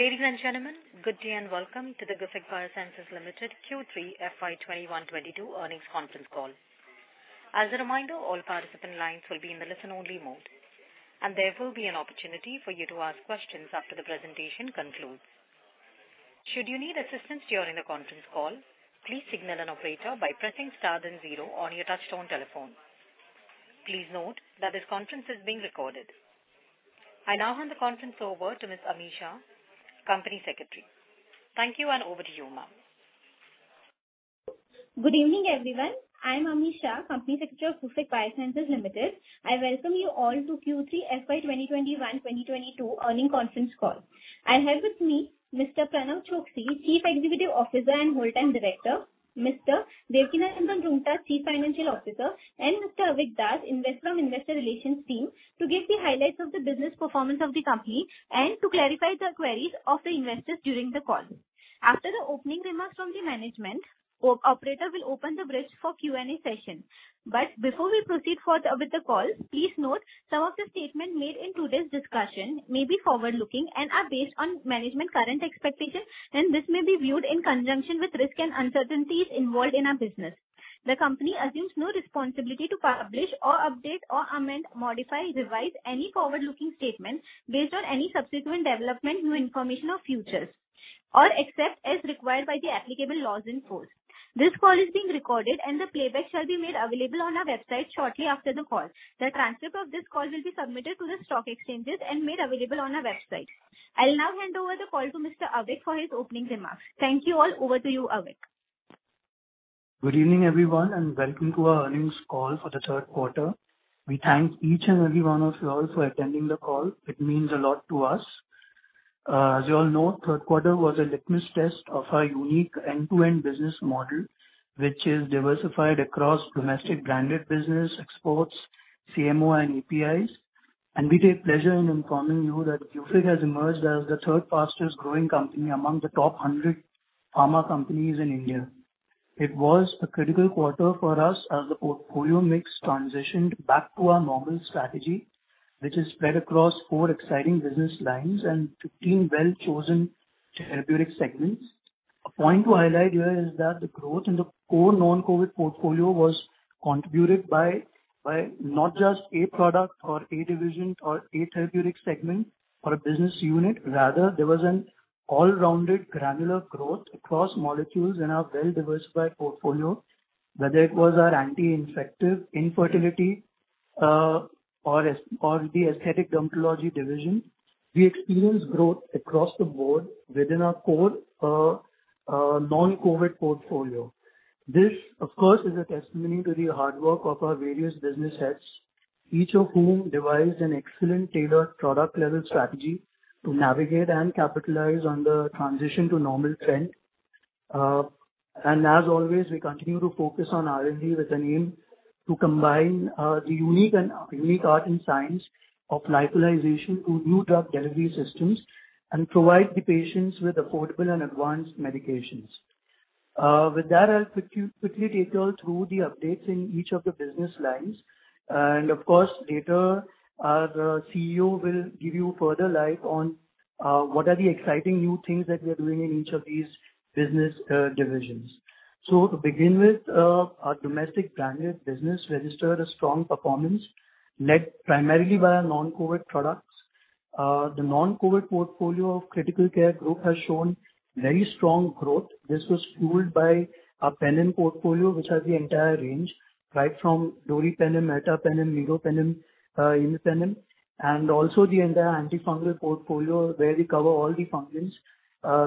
Ladies and gentlemen, good day and welcome to the Gufic Biosciences Limited Q3 FY 2021-22 earnings conference call. As a reminder, all participant lines will be in the listen-only mode, and there will be an opportunity for you to ask questions after the presentation concludes. Should you need assistance during the conference call, please signal an operator by pressing star then zero on your touchtone telephone. Please note that this conference is being recorded. I now hand the conference over to Ms. Ami Shah, Company Secretary. Thank you, and over to you, ma'am. Good evening, everyone. I'm Ami Shah, Company Secretary of Gufic Biosciences Limited. I welcome you all to Q3 FY 2021-22 earnings conference call. I have with me Mr. Pranav Choksi, Chief Executive Officer and Whole-Time Director, Mr. Devkinandan Roonghta, Chief Financial Officer, and Mr. Avik Das from Investor Relations team, to give the highlights of the business performance of the company and to clarify the queries of the investors during the call. After the opening remarks from the management, operator will open the bridge for Q&A session. Before we proceed further with the call, please note some of the statements made in today's discussion may be forward-looking and are based on management's current expectations, and this may be viewed in conjunction with risk and uncertainties involved in our business. The company assumes no responsibility to publish or update or amend, modify, revise any forward-looking statement based on any subsequent development, new information or future events, except as required by the applicable laws in force. This call is being recorded and the playback shall be made available on our website shortly after the call. The transcript of this call will be submitted to the stock exchanges and made available on our website. I'll now hand over the call to Mr. Avik Das for his opening remarks. Thank you all. Over to you, Avik. Good evening, everyone, and welcome to our earnings call for the third quarter. We thank each and every one of you all for attending the call. It means a lot to us. As you all know, third quarter was a litmus test of our unique end-to-end business model, which is diversified across domestic branded business, exports, CMO and APIs. We take pleasure in informing you that Gufic has emerged as the third fastest-growing company among the top 100 pharma companies in India. It was a critical quarter for us as the portfolio mix transitioned back to our normal strategy, which is spread across four exciting business lines and 15 well-chosen therapeutic segments. A point to highlight here is that the growth in the core non-COVID portfolio was contributed by not just a product or a division or a therapeutic segment or a business unit. Rather, there was an all-rounded granular growth across molecules in our well-diversified portfolio, whether it was our anti-infective, infertility, or the aesthetic dermatology division. We experienced growth across the board within our core, non-COVID portfolio. This, of course, is a testimony to the hard work of our various business heads, each of whom devised an excellent tailored product-level strategy to navigate and capitalize on the transition to normal trend. As always, we continue to focus on R&D with an aim to combine the unique art and science of lyophilization to new drug delivery systems and provide the patients with affordable and advanced medications. With that, I'll quickly take you all through the updates in each of the business lines. Of course, later, the CEO will give you further light on what are the exciting new things that we are doing in each of these business divisions. To begin with, our domestic branded business registered a strong performance led primarily by our non-COVID products. The non-COVID portfolio of critical care group has shown very strong growth. This was fueled by our Penem portfolio, which has the entire range, right from doripenem, ertapenem, meropenem, imipenem, and also the entire antifungal portfolio where we cover all the fungal infections.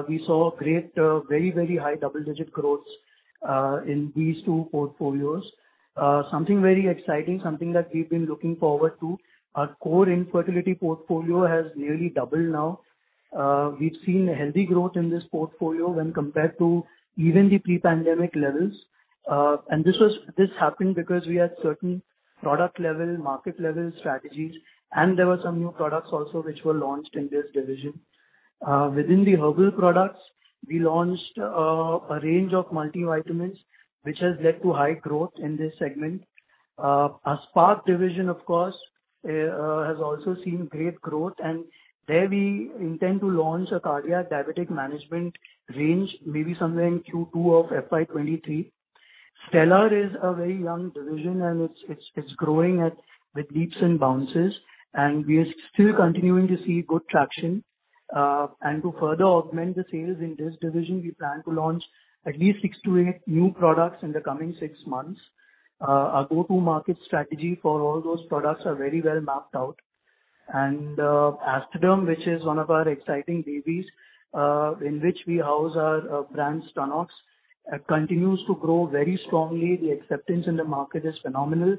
We saw great very high double-digit growth in these two portfolios. Something very exciting, something that we've been looking forward to, our core infertility portfolio has nearly doubled now. We've seen a healthy growth in this portfolio when compared to even the pre-pandemic levels. This happened because we had certain product-level, market-level strategies, and there were some new products also which were launched in this division. Within the herbal products, we launched a range of multivitamins, which has led to high growth in this segment. Our Spark division of course has also seen great growth, and there we intend to launch a cardiac diabetic management range, maybe somewhere in Q2 FY 2023. Stellar is a very young division, and it's growing by leaps and bounds, and we are still continuing to see good traction. To further augment the sales in this division, we plan to launch at least six to eight new products in the coming six months. Our go-to-market strategy for all those products are very well mapped out. Aesthaderm, which is one of our exciting babies, in which we house our brand Stunox, continues to grow very strongly. The acceptance in the market is phenomenal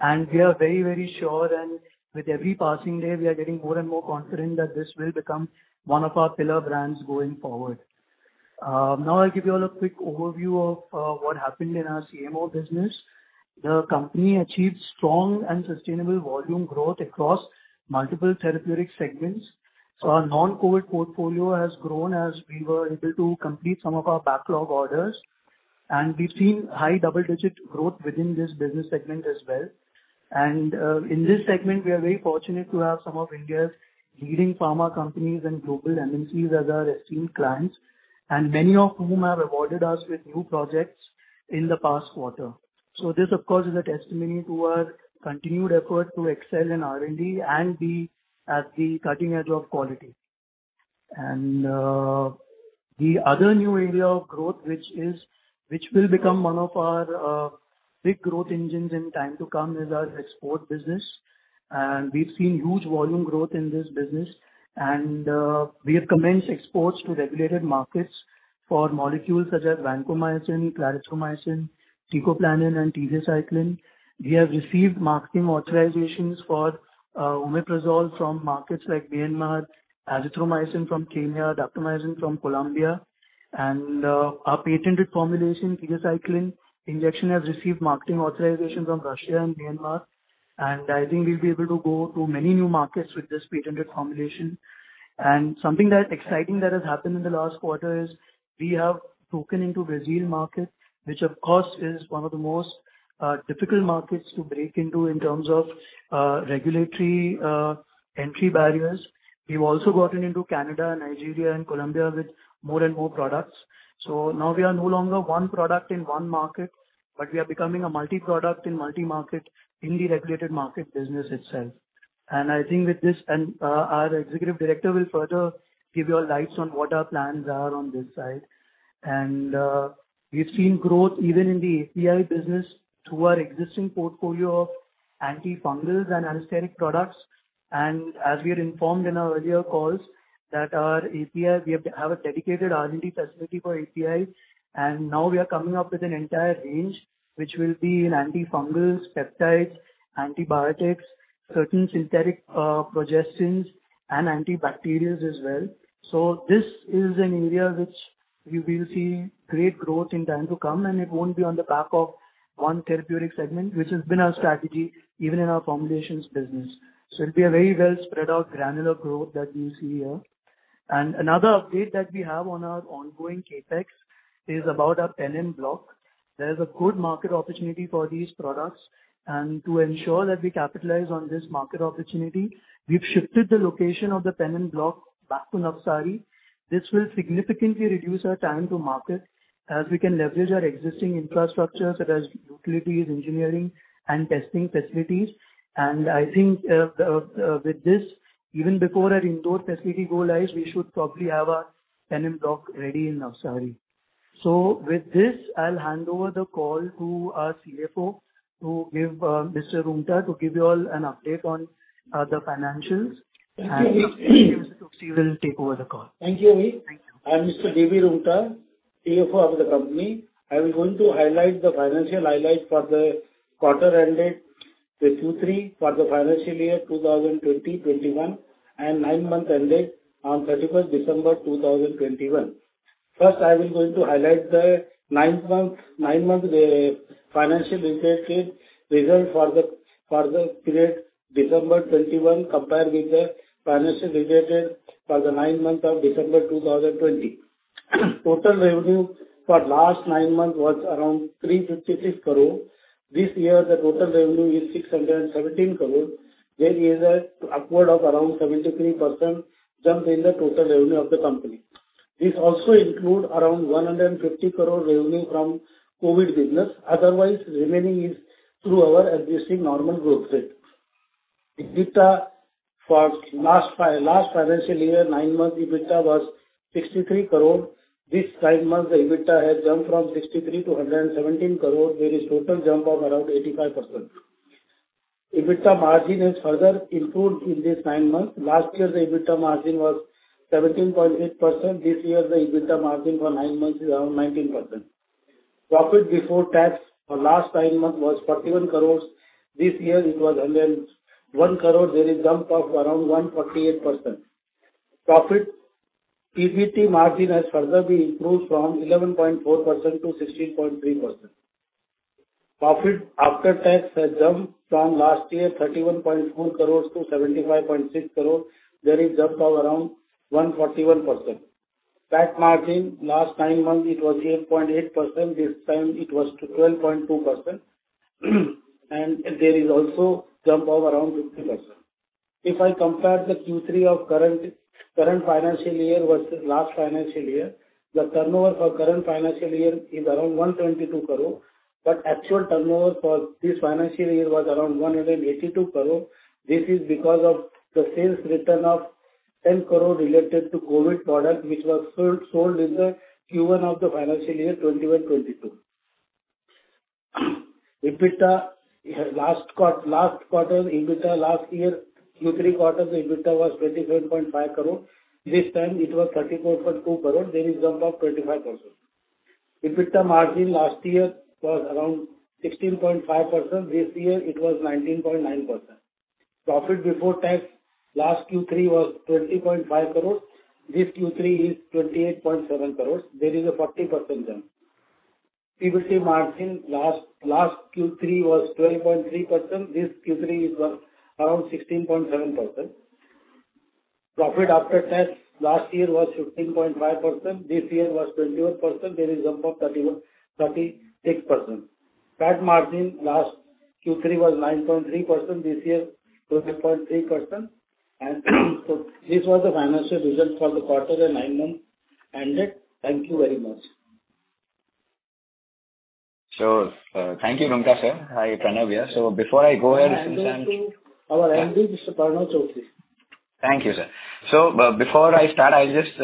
and we are very, very sure and with every passing day, we are getting more and more confident that this will become one of our pillar brands going forward. Now I'll give you all a quick overview of what happened in our CMO business. The company achieved strong and sustainable volume growth across multiple therapeutic segments, so our non-COVID portfolio has grown as we were able to complete some of our backlog orders. We've seen high double-digit growth within this business segment as well. In this segment, we are very fortunate to have some of India's leading pharma companies and global MNCs as our esteemed clients, and many of whom have awarded us with new projects in the past quarter. This, of course, is a testimony to our continued effort to excel in R&D and be at the cutting edge of quality. The other new area of growth, which will become one of our big growth engines in time to come, is our export business. We've seen huge volume growth in this business. We have commenced exports to regulated markets for molecules such as vancomycin, clarithromycin, ciclopirox, and tetracycline. We have received marketing authorizations for omeprazole from markets like Myanmar, azithromycin from Kenya, daptomycin from Colombia. Our patented formulation, tetracycline injection, has received marketing authorization from Russia and Myanmar, and I think we'll be able to go to many new markets with this patented formulation. Something that exciting that has happened in the last quarter is we have broken into Brazil market, which of course is one of the most difficult markets to break into in terms of regulatory entry barriers. We've also gotten into Canada, Nigeria, and Colombia with more and more products. Now we are no longer one product in one market, but we are becoming a multiproduct in multimarket in the regulated market business itself. I think with this, our executive director will further give you insights on what our plans are on this side. We've seen growth even in the API business through our existing portfolio of antifungals and anesthetic products. As we had informed in our earlier calls, that our API, we have a dedicated R&D facility for API. Now we are coming up with an entire range, which will be in antifungals, peptides, antibiotics, certain synthetic progestins, and antibacterials as well. This is an area which we will see great growth in time to come, and it won't be on the back of one therapeutic segment, which has been our strategy even in our formulations business. It'll be a very well spread out granular growth that we see here. Another update that we have on our ongoing CapEx is about our Penem block. There's a good market opportunity for these products. To ensure that we capitalize on this market opportunity, we've shifted the location of the PN block back to Navsari. This will significantly reduce our time to market as we can leverage our existing infrastructure, such as utilities, engineering, and testing facilities. I think, with this, even before our Indore facility goes live, we should probably have our PN block ready in Navsari. With this, I'll hand over the call to our CFO, Mr. Roonghta, to give you all an update on the financials. Thank you, Ami. Mr. Choksi will take over the call. Thank you, Ami. Thank you. I'm Mr. Devkinandan Roonghta, CFO of the company. I'm going to highlight the financial highlights for the quarter ended with Q3 FY 2020-21, and nine months ended on 31 December 2021. First, I will going to highlight the nine-month financial year results for the period December 2021 compared with the financial year for the nine months of December 2020. Total revenue for last nine months was around 356 crore. This year, the total revenue is 617 crore. There is a upward of around 73% jump in the total revenue of the company. This also include around 150 crore revenue from COVID business. Otherwise, remaining is through our existing normal growth rate. EBITDA for last financial year, nine-month EBITDA was 63 crore. This nine months, the EBITDA has jumped from 63 crore to 117 crore. There is total jump of around 85%. EBITDA margin has further improved in this nine months. Last year, the EBITDA margin was 17.8%. This year, the EBITDA margin for nine months is around 19%. Profit before tax for last nine months was 41 crore. This year it was 101 crore. There is jump of around 148%. PBT margin has further been improved from 11.4% to 16.3%. Profit after tax has jumped from last year, 31.4 crore to 75.6 crore. There is jump of around 141%. Tax margin, last nine months it was 8.8%. This time it was 12.2%. There is also jump of around 50%. If I compare the Q3 of current financial year versus last financial year, the turnover for current financial year is around 122 crore, but actual turnover for this financial year was around 182 crore. This is because of the sales return of 10 crore related to COVID product, which was sold in the Q1 of the financial year 2021-22. EBITDA last quarter EBITDA last year Q3 quarter, the EBITDA was INR 27.5 crore. This time it was INR 34.2 crore. There is jump of 25%. EBITDA margin last year was around 16.5%. This year it was 19.9%. Profit before tax last Q3 was 20.5 crore. This Q3 is 28.7 crore. There is a 40% jump. PBT margin last Q3 was 12.3%. This Q3 is around 16.7%. Profit after tax last year was 15.5%, this year was 21%. There is a jump of 36%. Gross margin last Q3 was 9.3%, this year 12.3%. These were the financial results for the quarter and nine months ended. Thank you very much. Sure. Thank you, Roonghta sir. Hi, Pranav here. Before I go ahead. I hand over to our MD, Mr. Pranav Choksi. Thank you, sir. Before I start, I'll just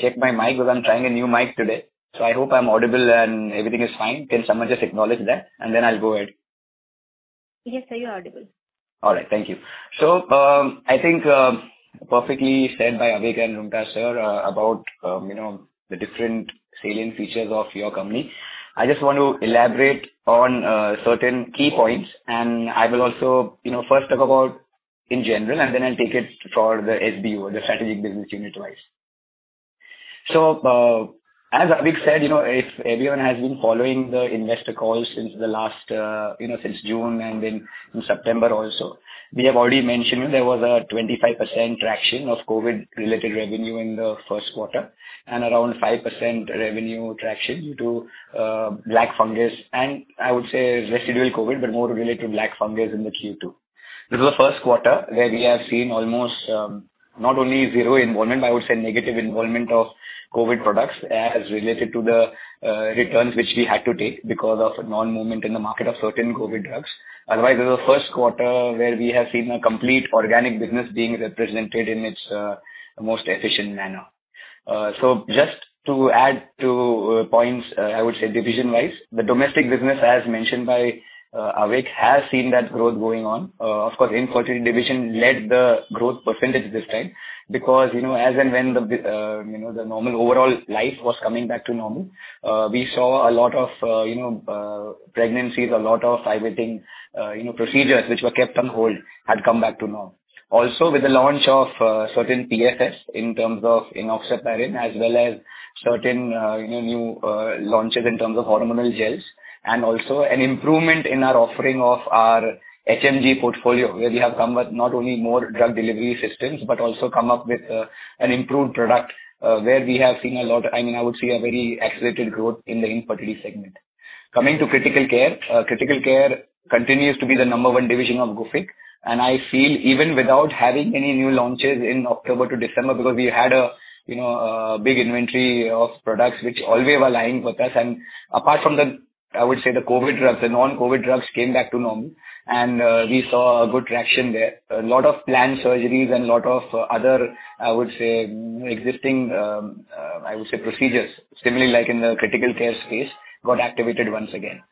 check my mic because I'm trying a new mic today. I hope I'm audible and everything is fine. Can someone just acknowledge that? Then I'll go ahead. Yes, sir, you're audible. All right. Thank you. I think perfectly said by Avik and Roonghta, sir, about you know the different salient features of your company. I just want to elaborate on certain key points. I will also you know first talk about in general, and then I'll take it for the SBU, the strategic business unit-wise. As Avik said, you know if everyone has been following the investor calls since the last you know since June and then in September also, we have already mentioned there was a 25% traction of COVID-related revenue in the first quarter and around 5% revenue traction to black fungus and I would say residual COVID, but more related to black fungus in the Q2. This is the first quarter where we have seen almost not only zero involvement, but I would say negative involvement of COVID products as related to the returns which we had to take because of non-movement in the market of certain COVID drugs. Otherwise, this is the first quarter where we have seen a complete organic business being represented in its most efficient manner. Just to add to points, I would say division-wise, the domestic business, as mentioned by Avik, has seen that growth going on. Of course, infertility division led the growth percentage this time because, you know, as and when the normal overall life was coming back to normal, we saw a lot of, you know, pregnancies, a lot of IVF, you know, procedures which were kept on hold had come back to normal. Also, with the launch of certain PFS in terms of enoxaparin as well as certain, you know, new launches in terms of hormonal gels and also an improvement in our offering of our HMG portfolio, where we have come with not only more drug delivery systems but also come up with an improved product, where we have seen a lot. I mean, I would see a very accelerated growth in the infertility segment. Coming to critical care. Critical care continues to be the number one division of Gufic, and I feel even without having any new launches in October to December, because we had a, you know, a big inventory of products which always were lying with us. Apart from the, I would say, the COVID drugs, the non-COVID drugs came back to normal and we saw a good traction there. A lot of planned surgeries and lot of other, I would say, existing procedures, similarly like in the critical care space, got activated once again.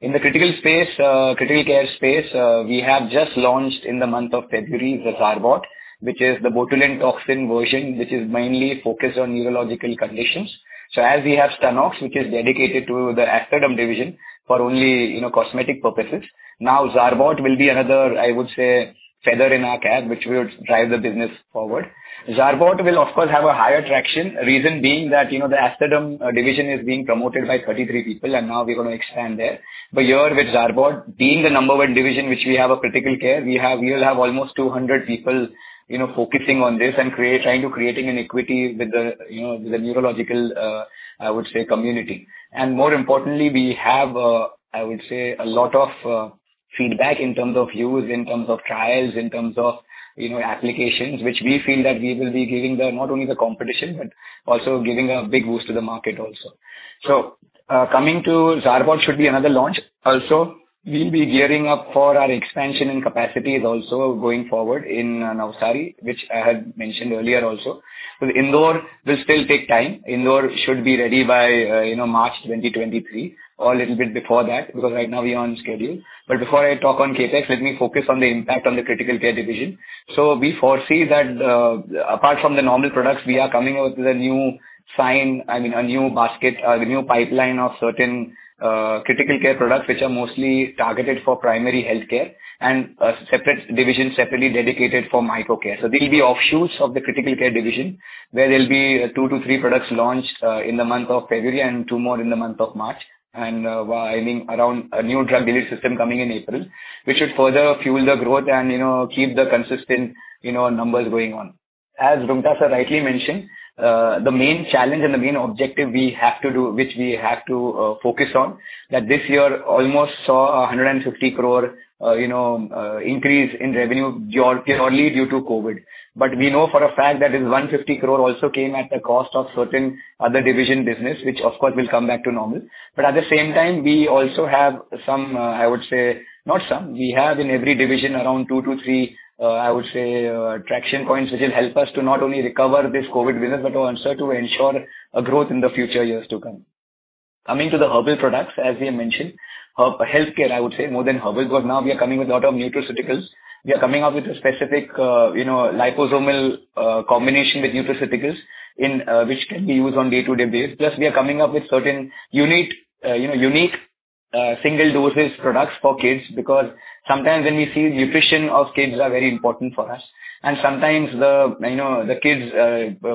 In the critical care space, we have just launched in the month of February the Xarbod, which is the botulinum toxin version, which is mainly focused on urological conditions. So as we have Stanox, which is dedicated to the Aesthaderm division for only, you know, cosmetic purposes. Now Xarbod will be another, I would say, feather in our cap, which will drive the business forward. Xarbod will of course have a higher traction, reason being that, you know, the Aesthaderm division is being promoted by 33 people and now we're gonna expand there. Here with Xarbod being the number one division which we have a critical care, we will have almost 200 people, you know, focusing on this and trying to create an equity with the, you know, the neurological, I would say, community. More importantly, we have, I would say, a lot of feedback in terms of use, in terms of trials, in terms of, you know, applications which we feel that we will be giving the, not only the competition, but also giving a big boost to the market also. Coming to Xarbod should be another launch. Also, we'll be gearing up for our expansion and capacity is also going forward in Navsari, which I had mentioned earlier also. The Indore will still take time. Indore should be ready by, you know, March 2023 or a little bit before that because right now we are on schedule. Before I talk on CapEx, let me focus on the impact on the critical care division. We foresee that, apart from the normal products we are coming out with a new sign, I mean a new basket, the new pipeline of certain critical care products which are mostly targeted for primary healthcare and a separate division separately dedicated for micro care. These will be offshoots of the critical care division, where there'll be 2-3 products launched in the month of February and two more in the month of March. I mean around a new drug delivery system coming in April, which should further fuel the growth and you know, keep the consistent, you know, numbers going on. As Roonghta sir rightly mentioned, the main challenge and the main objective we have to do, which we have to focus on, that this year almost saw 150 crore, you know, increase in revenue purely due to COVID. We know for a fact that this 150 crore also came at the cost of certain other division business, which of course will come back to normal. At the same time we also have some, I would say, not some, we have in every division around 2-3, I would say, traction points which will help us to not only recover this COVID business, but also to ensure a growth in the future years to come. Coming to the herbal products, as we have mentioned, healthcare I would say more than herbal, because now we are coming with a lot of nutraceuticals. We are coming up with a specific, you know, liposomal, combination with nutraceuticals in, which can be used on day-to-day basis. Plus we are coming up with certain unique, you know, single dosage products for kids because sometimes when we see nutrition of kids are very important for us and sometimes the, you know, the kids,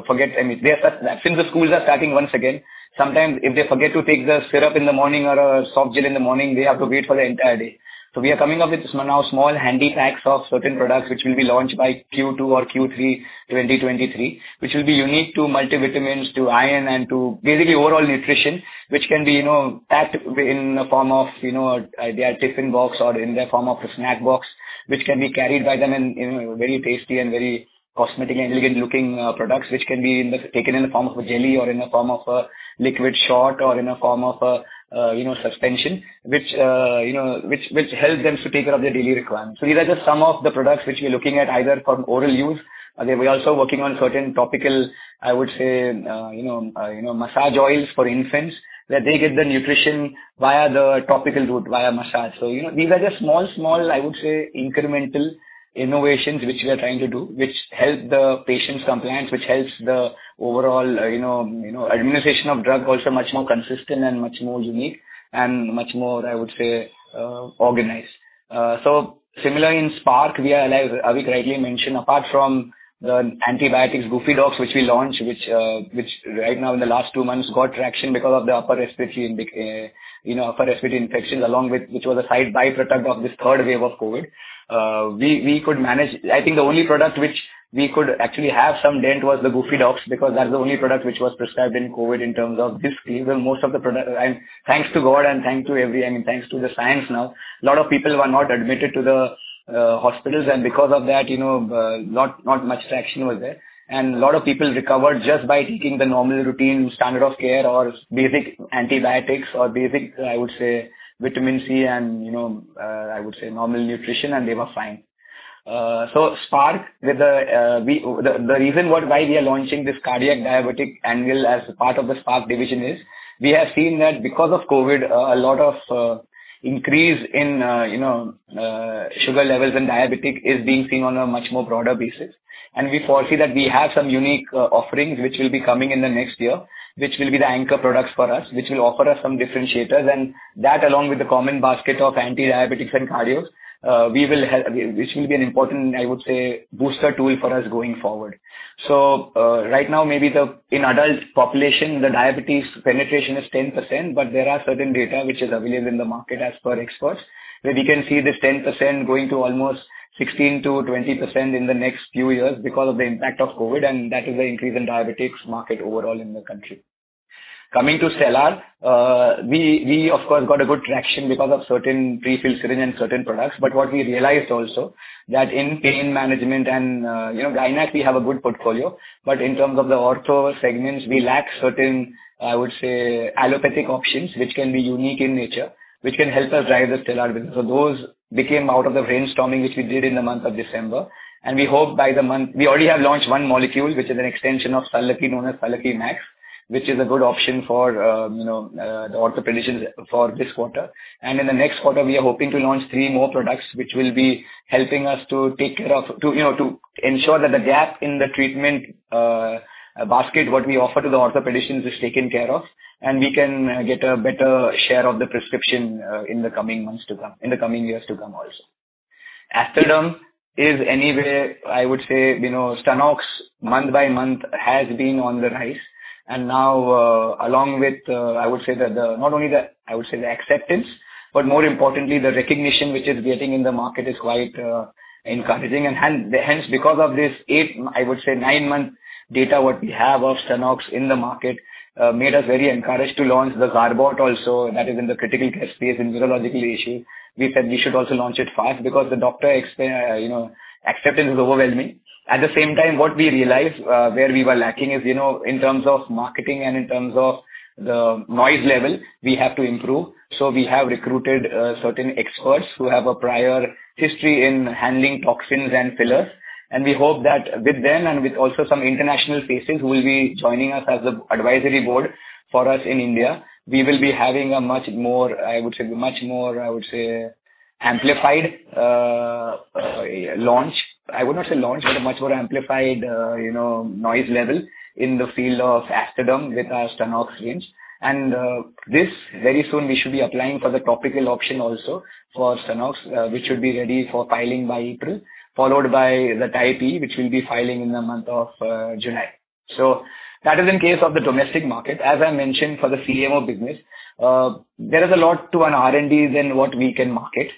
forget. I mean they are. Since the schools are starting once again, sometimes if they forget to take the syrup in the morning or a soft gel in the morning, they have to wait for the entire day. We are coming up with some new small handy packs of certain products which will be launched by Q2 or Q3 2023, which will be unique to multivitamins, to iron and to basically overall nutrition, which can be, you know, packed in the form of, you know, their tiffin box or in the form of a snack box which can be carried by them in very tasty and very cosmetic and elegant-looking products which can be in the Taken in the form of a jelly or in the form of a liquid shot or in the form of a, you know, suspension, which, you know, which helps them to take care of their daily requirements. These are just some of the products which we are looking at, either for oral use. We're also working on certain topical, I would say, you know, massage oils for infants, where they get the nutrition via the topical route, via massage. You know, these are just small, I would say, incremental innovations which we are trying to do, which help the patient's compliance, which helps the overall, you know, administration of drug also much more consistent and much more unique and much more, I would say, organized. So similar in Spark, we are... Avik rightly mentioned, apart from the antibiotics Gufidox, which we launched, which right now in the last two months got traction because of the upper respiratory infections along with which was a side by-product of this third wave of COVID. We could manage. I think the only product which we could actually make some dent was the Gufidox, because that's the only product which was prescribed in COVID in terms of this fever. Thanks to God and thanks to everyone and thanks to the science now, a lot of people were not admitted to the hospitals, and because of that, not much traction was there. A lot of people recovered just by taking the normal routine standard of care or basic antibiotics or basic, I would say, vitamin C and, you know, I would say normal nutrition, and they were fine. So Spark with the, we. The reason why we are launching this cardiac diabetic annual as part of the Spark division is we have seen that because of COVID, a lot of increase in, you know, sugar levels and diabetic is being seen on a much more broader basis. We foresee that we have some unique offerings which will be coming in the next year, which will be the anchor products for us, which will offer us some differentiators. That, along with the common basket of antidiabetics and cardios, we will have... Which will be an important, I would say, booster tool for us going forward. In adult population, the diabetes penetration is 10%, but there are certain data which is available in the market as per experts, where we can see this 10% going to almost 16%-20% in the next few years because of the impact of COVID, and that is the increase in diabetes market overall in the country. Coming to Stellar, we of course got a good traction because of certain prefilled syringe and certain products. But what we realized also, that in pain management and, you know, gynecology, we have a good portfolio, but in terms of the ortho segments, we lack certain, I would say, allopathic options, which can be unique in nature, which can help us drive the Stellar business. Those became out of the brainstorming which we did in the month of December. We hope by the month. We already have launched one molecule, which is an extension of Sallaki, known as Sallaki Max, which is a good option for, you know, the ortho physicians for this quarter. In the next quarter, we are hoping to launch three more products which will be helping us, you know, to ensure that the gap in the treatment basket, what we offer to the ortho physicians is taken care of, and we can get a better share of the prescription in the coming months to come in the coming years to come also. Aesthaderm is anyway, I would say, you know, Stanox month by month has been on the rise. Now, along with the acceptance, but more importantly, the recognition which it's getting in the market is quite encouraging. Hence, because of this 8-9-month data what we have of Stanox in the market made us very encouraged to launch the Xarbod also, and that is in the critical care space, in virological issue. We said we should also launch it fast because the doctors' acceptance is overwhelming. At the same time, what we realized, where we were lacking is, you know, in terms of marketing and in terms of the noise level, we have to improve. We have recruited certain experts who have a prior history in handling toxins and fillers. We hope that with them and with also some international faces who will be joining us as the advisory board for us in India, we will be having a much more amplified launch. I would not say launch, but a much more amplified, you know, noise level in the field of Aesthaderm with our Stanox range. This very soon we should be applying for the topical option also for Stanox, which should be ready for filing by April, followed by the Type A, which we'll be filing in the month of July. That is in case of the domestic market. As I mentioned, for the CDMO business, there is a lot to an R&D than what we can market.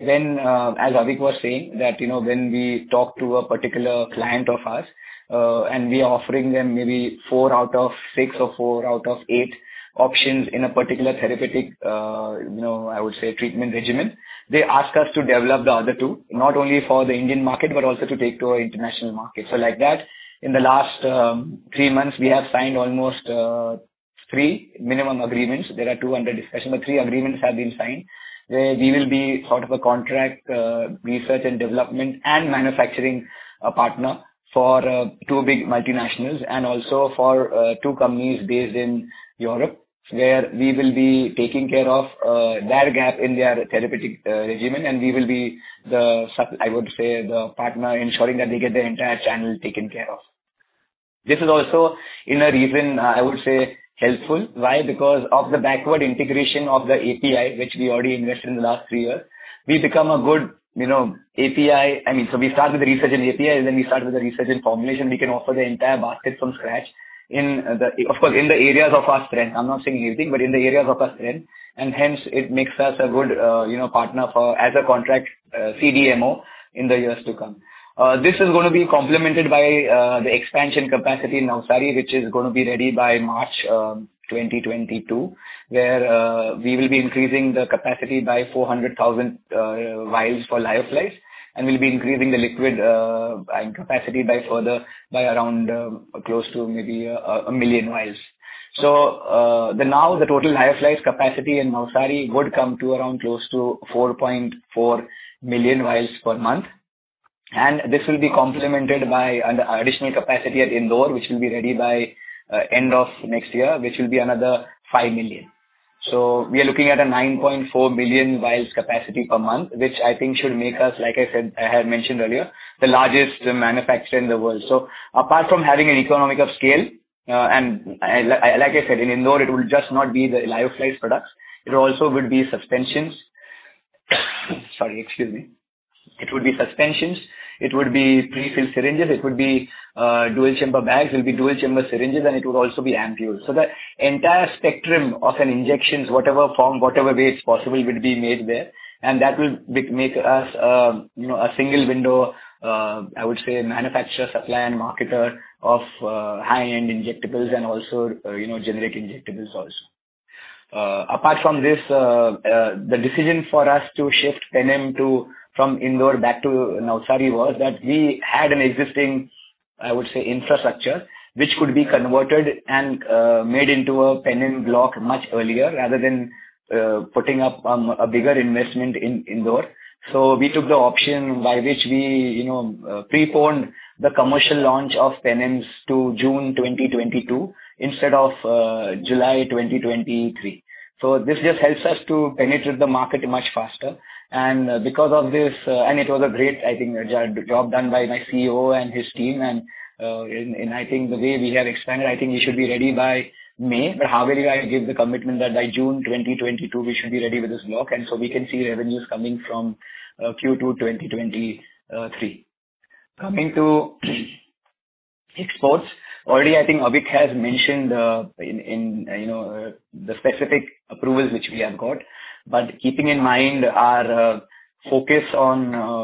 When, as Avik was saying, you know, when we talk to a particular client of ours, and we are offering them maybe four out of six or four out of eight options in a particular therapeutic, you know, I would say treatment regimen, they ask us to develop the other two, not only for the Indian market, but also to take to our international market. Like that, in the last three months, we have signed almost three MoU agreements. There are two under discussion, but three agreements have been signed, where we will be sort of a contract research and development and manufacturing partner for two big multinationals and also for two companies based in Europe, where we will be taking care of their gap in their therapeutic regimen, and we will be the, I would say, the partner ensuring that they get their entire channel taken care of. This is also in a sense, I would say, helpful. Why? Because of the backward integration of the API, which we already invested in the last three years. We've become a good, you know, API. I mean, so we start with the research in API, then we start with the research in formulation. We can offer the entire basket from scratch. Of course, in the areas of our strength. I'm not saying everything, but in the areas of our strength, and hence it makes us a good, you know, partner for as a contract CDMO in the years to come. This is gonna be complemented by the expansion capacity in Navsari, which is gonna be ready by March 2022, where we will be increasing the capacity by 400,000 vials for lyophilized, and we'll be increasing the liquid capacity by around close to maybe 1 million vials. The total lyophilized capacity in Navsari would come to around close to 4.4 million vials per month. This will be complemented by an additional capacity at Indore, which will be ready by end of next year, which will be another 5 million. We are looking at a 9.4 million vials capacity per month, which I think should make us, like I said, I had mentioned earlier, the largest manufacturer in the world. Apart from having economies of scale, like I said, in Indore, it will just not be the lyophilized products, it also would be suspensions. It would be pre-filled syringes, it would be dual chamber bags, it will be dual chamber syringes, and it would also be ampoules. The entire spectrum of injectables, whatever form, whatever way it's possible will be made there. That will make us, you know, a single window, I would say manufacturer, supplier and marketer of high-end injectables and also, you know, generic injectables also. Apart from this, the decision for us to shift Penem to from Indore back to Navsari was that we had an existing, I would say, infrastructure which could be converted and made into a Penem block much earlier rather than putting up a bigger investment in Indore. We took the option by which we, you know, preponed the commercial launch of Penems to June 2022 instead of July 2023. This just helps us to penetrate the market much faster. Because of this, and it was a great, I think, job done by my CEO and his team. I think the way we have expanded, I think we should be ready by May. However, I give the commitment that by June 2022 we should be ready with this block, and we can see revenues coming from Q2 2023. Coming to exports. Already, I think Avik has mentioned in you know the specific approvals which we have got. Keeping in mind our focus on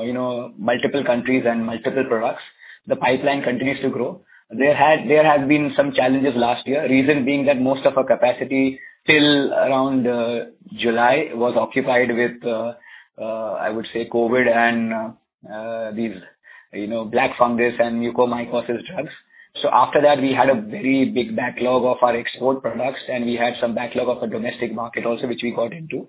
you know multiple countries and multiple products, the pipeline continues to grow. There have been some challenges last year, reason being that most of our capacity till around July was occupied with I would say COVID and these you know black fungus and mucormycosis drugs. After that, we had a very big backlog of our export products, and we had some backlog of our domestic market also, which we got into.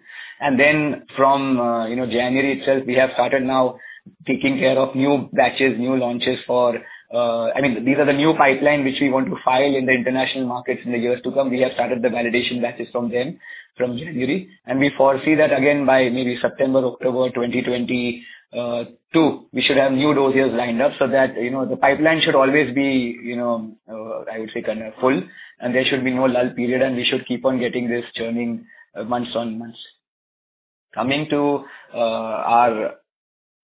From, you know, January itself, we have started now taking care of new batches, new launches for, I mean, these are the new pipeline which we want to file in the international markets in the years to come. We have started the validation batches from them from January, and we foresee that again by maybe September or October 2022, we should have new dossiers lined up so that, you know, the pipeline should always be, you know, I would say kind of full, and there should be no lull period, and we should keep on getting this churning months on months. Coming to, our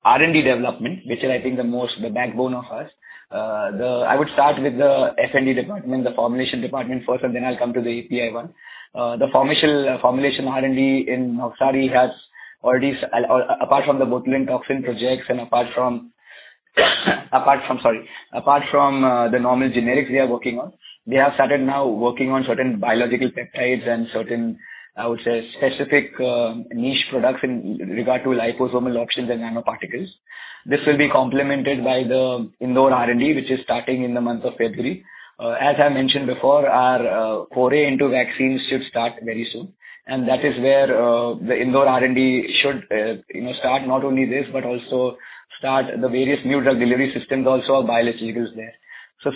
R&D development, which is I think the most, the backbone of us. I would start with the F&D department, the formulation department first, and then I'll come to the API one. The formulation... Formulation R&D in Navsari has already, apart from the botulinum toxin projects and apart from the normal generics we are working on, we have started now working on certain biological peptides and certain, I would say, specific niche products in regard to liposomal options and nanoparticles. This will be complemented by the Indore R&D, which is starting in the month of February. As I mentioned before, our foray into vaccines should start very soon, and that is where the Indore R&D should, you know, start not only this, but also start the various new drug delivery systems also of biologicals there.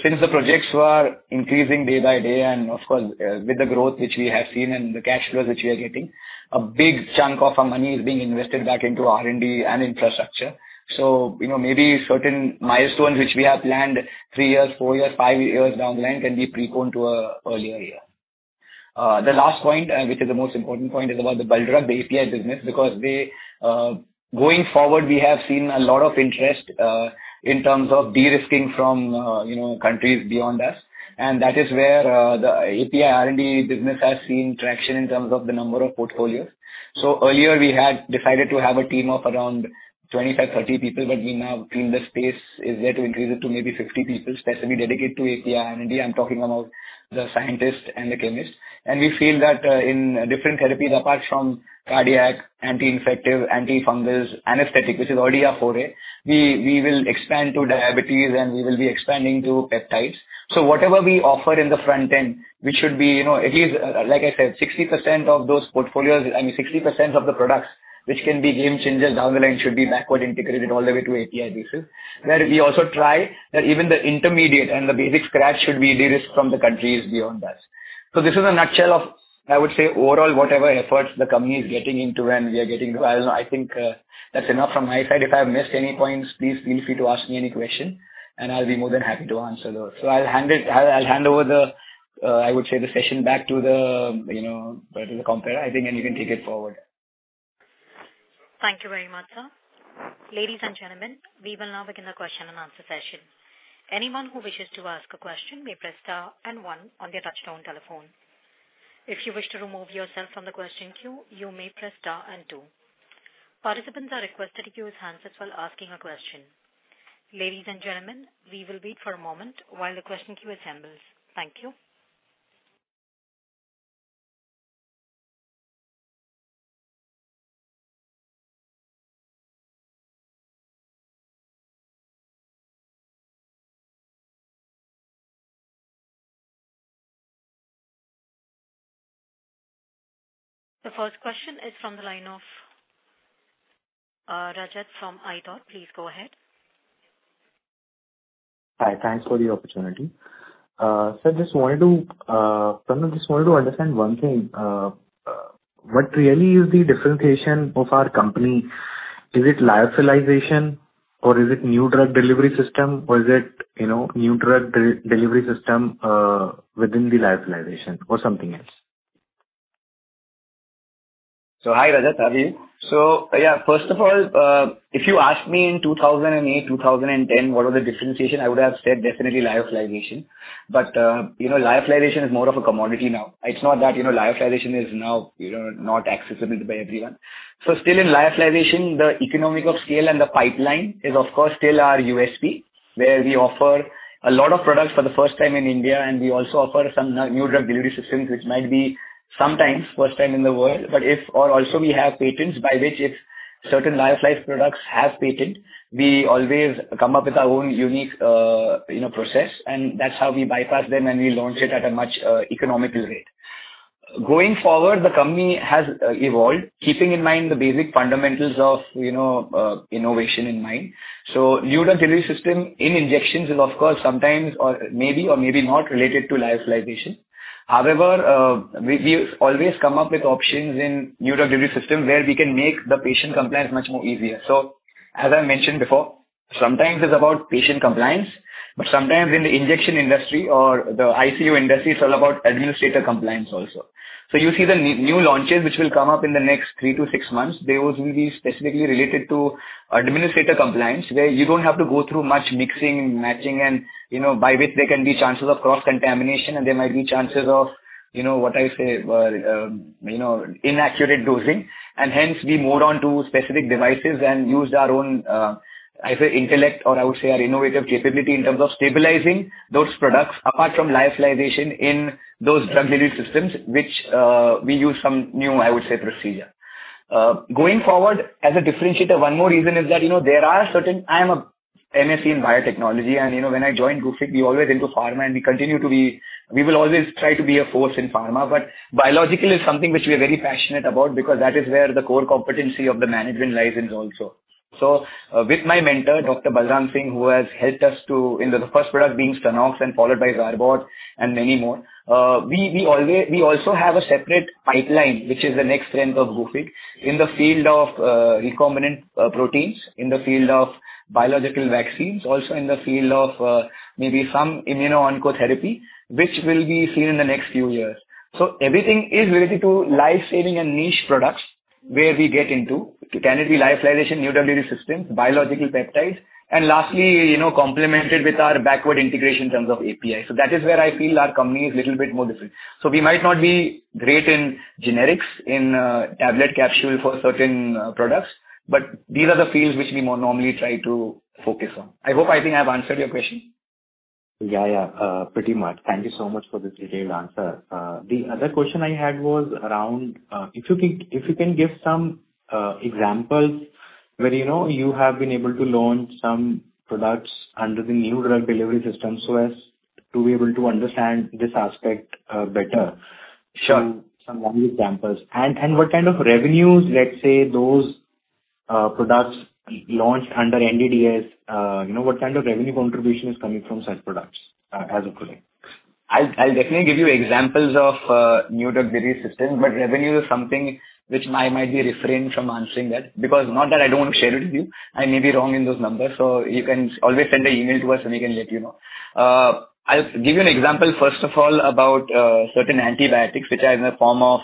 Since the projects were increasing day by day, and of course with the growth which we have seen and the cash flows which we are getting, a big chunk of our money is being invested back into R&D and infrastructure. You know, maybe certain milestones which we have planned three years, four years, five years down the line can be preponed to an earlier year. The last point, which is the most important point, is about the bulk drug, the API business. Because we going forward, we have seen a lot of interest in terms of de-risking from, you know, countries beyond us, and that is where the API R&D business has seen traction in terms of the number of portfolios. Earlier we had decided to have a team of around 25-30 people, but we now feel the space is there to increase it to maybe 50 people, specifically dedicated to API R&D. I'm talking about the scientists and the chemists. We feel that in different therapies, apart from cardiac, anti-infective, anti-fungals, aesthetic, which is already a foray, we will expand to diabetes and we will be expanding to peptides. Whatever we offer in the front end, which should be, you know, at least, like I said, 60% of those portfolios. I mean 60% of the products which can be game changers down the line should be backward integrated all the way to API basis. Where we also try that even the intermediate and the basic scratch should be de-risked from the countries beyond us. This is a nutshell of, I would say, overall, whatever efforts the company is getting into and we are getting. I think, that's enough from my side. If I've missed any points, please feel free to ask me any question, and I'll be more than happy to answer those. I'll hand over the, I would say, the session back to the, you know, back to the moderator, I think, and you can take it forward. Thank you very much, sir. Ladies and gentlemen, we will now begin the question-and-answer session. Anyone who wishes to ask a question may press star and 1 on their touchtone telephone. The first question is from the line of Rajat Sethia from IDOT. Please go ahead. Hi. Thanks for the opportunity. I just wanted to understand one thing. What really is the differentiation of our company? Is it lyophilization or is it new drug delivery system, or is it, you know, new drug delivery system within the lyophilization or something else? Hi, Rajat. How are you? Yeah, first of all, if you asked me in 2008, 2010 what are the differentiation, I would have said definitely lyophilization. But, you know, lyophilization is more of a commodity now. It's not that, you know, lyophilization is now, you know, not accessible by everyone. Still in lyophilization, the economic of scale and the pipeline is, of course, still our USP, where we offer a lot of products for the first time in India, and we also offer some new drug delivery systems, which might be sometimes first time in the world. But if We have patents by which if certain lyophilized products have patent, we always come up with our own unique, you know, process, and that's how we bypass them, and we launch it at a much economical rate. Going forward, the company has evolved, keeping in mind the basic fundamentals of, you know, innovation in mind. New drug delivery system in injections is, of course, sometimes or maybe or maybe not related to lyophilization. However, we always come up with options in new drug delivery system where we can make the patient compliance much more easier. As I mentioned before, sometimes it's about patient compliance, but sometimes in the injection industry or the ICU industry, it's all about administrator compliance also. You see the new launches, which will come up in the next 3-6 months. Those will be specifically related to administrator compliance, where you don't have to go through much mixing and matching and, you know, by which there can be chances of cross-contamination, and there might be chances of, you know, what I say, inaccurate dosing. Hence we moved on to specific devices and used our own, I say intellect or I would say our innovative capability in terms of stabilizing those products apart from lyophilization in those drug delivery systems, which we use some new, I would say procedure. Going forward as a differentiator, one more reason is that, you know, there are certain. I am an M.Sc. in biotechnology and, you know, when I joined Gufic, we always into pharma and we continue to be... We will always try to be a force in pharma, but biological is something which we are very passionate about because that is where the core competency of the management lies in also. With my mentor, Dr. Balram Singh, who has helped us. You know, the first product being Stenox and followed by VirboD and many more. We also have a separate pipeline, which is the next strength of Gufic in the field of recombinant proteins, in the field of biological vaccines, also in the field of maybe some immuno-oncology therapy, which will be seen in the next few years. Everything is related to life-saving and niche products where we get into. Can it be lyophilization, new delivery systems, biological peptides, and lastly, you know, complemented with our backward integration in terms of API. That is where I feel our company is little bit more different. We might not be great in generics, in tablet capsule for certain products, but these are the fields which we more normally try to focus on. I hope I think I've answered your question. Yeah, yeah, pretty much. Thank you so much for the detailed answer. The other question I had was around if you can give some examples where you know you have been able to launch some products under the new drug delivery system so as to be able to understand this aspect better. Sure. Some examples. What kind of revenues, let's say, those products launched under NDDS, you know, what kind of revenue contribution is coming from such products, as of today? I'll definitely give you examples of new drug delivery systems, but revenue is something which I might be restrained from answering that, because not that I don't want to share it with you, I may be wrong in those numbers. You can always send an email to us, and we can let you know. I'll give you an example, first of all, about certain antibiotics which are in the form of,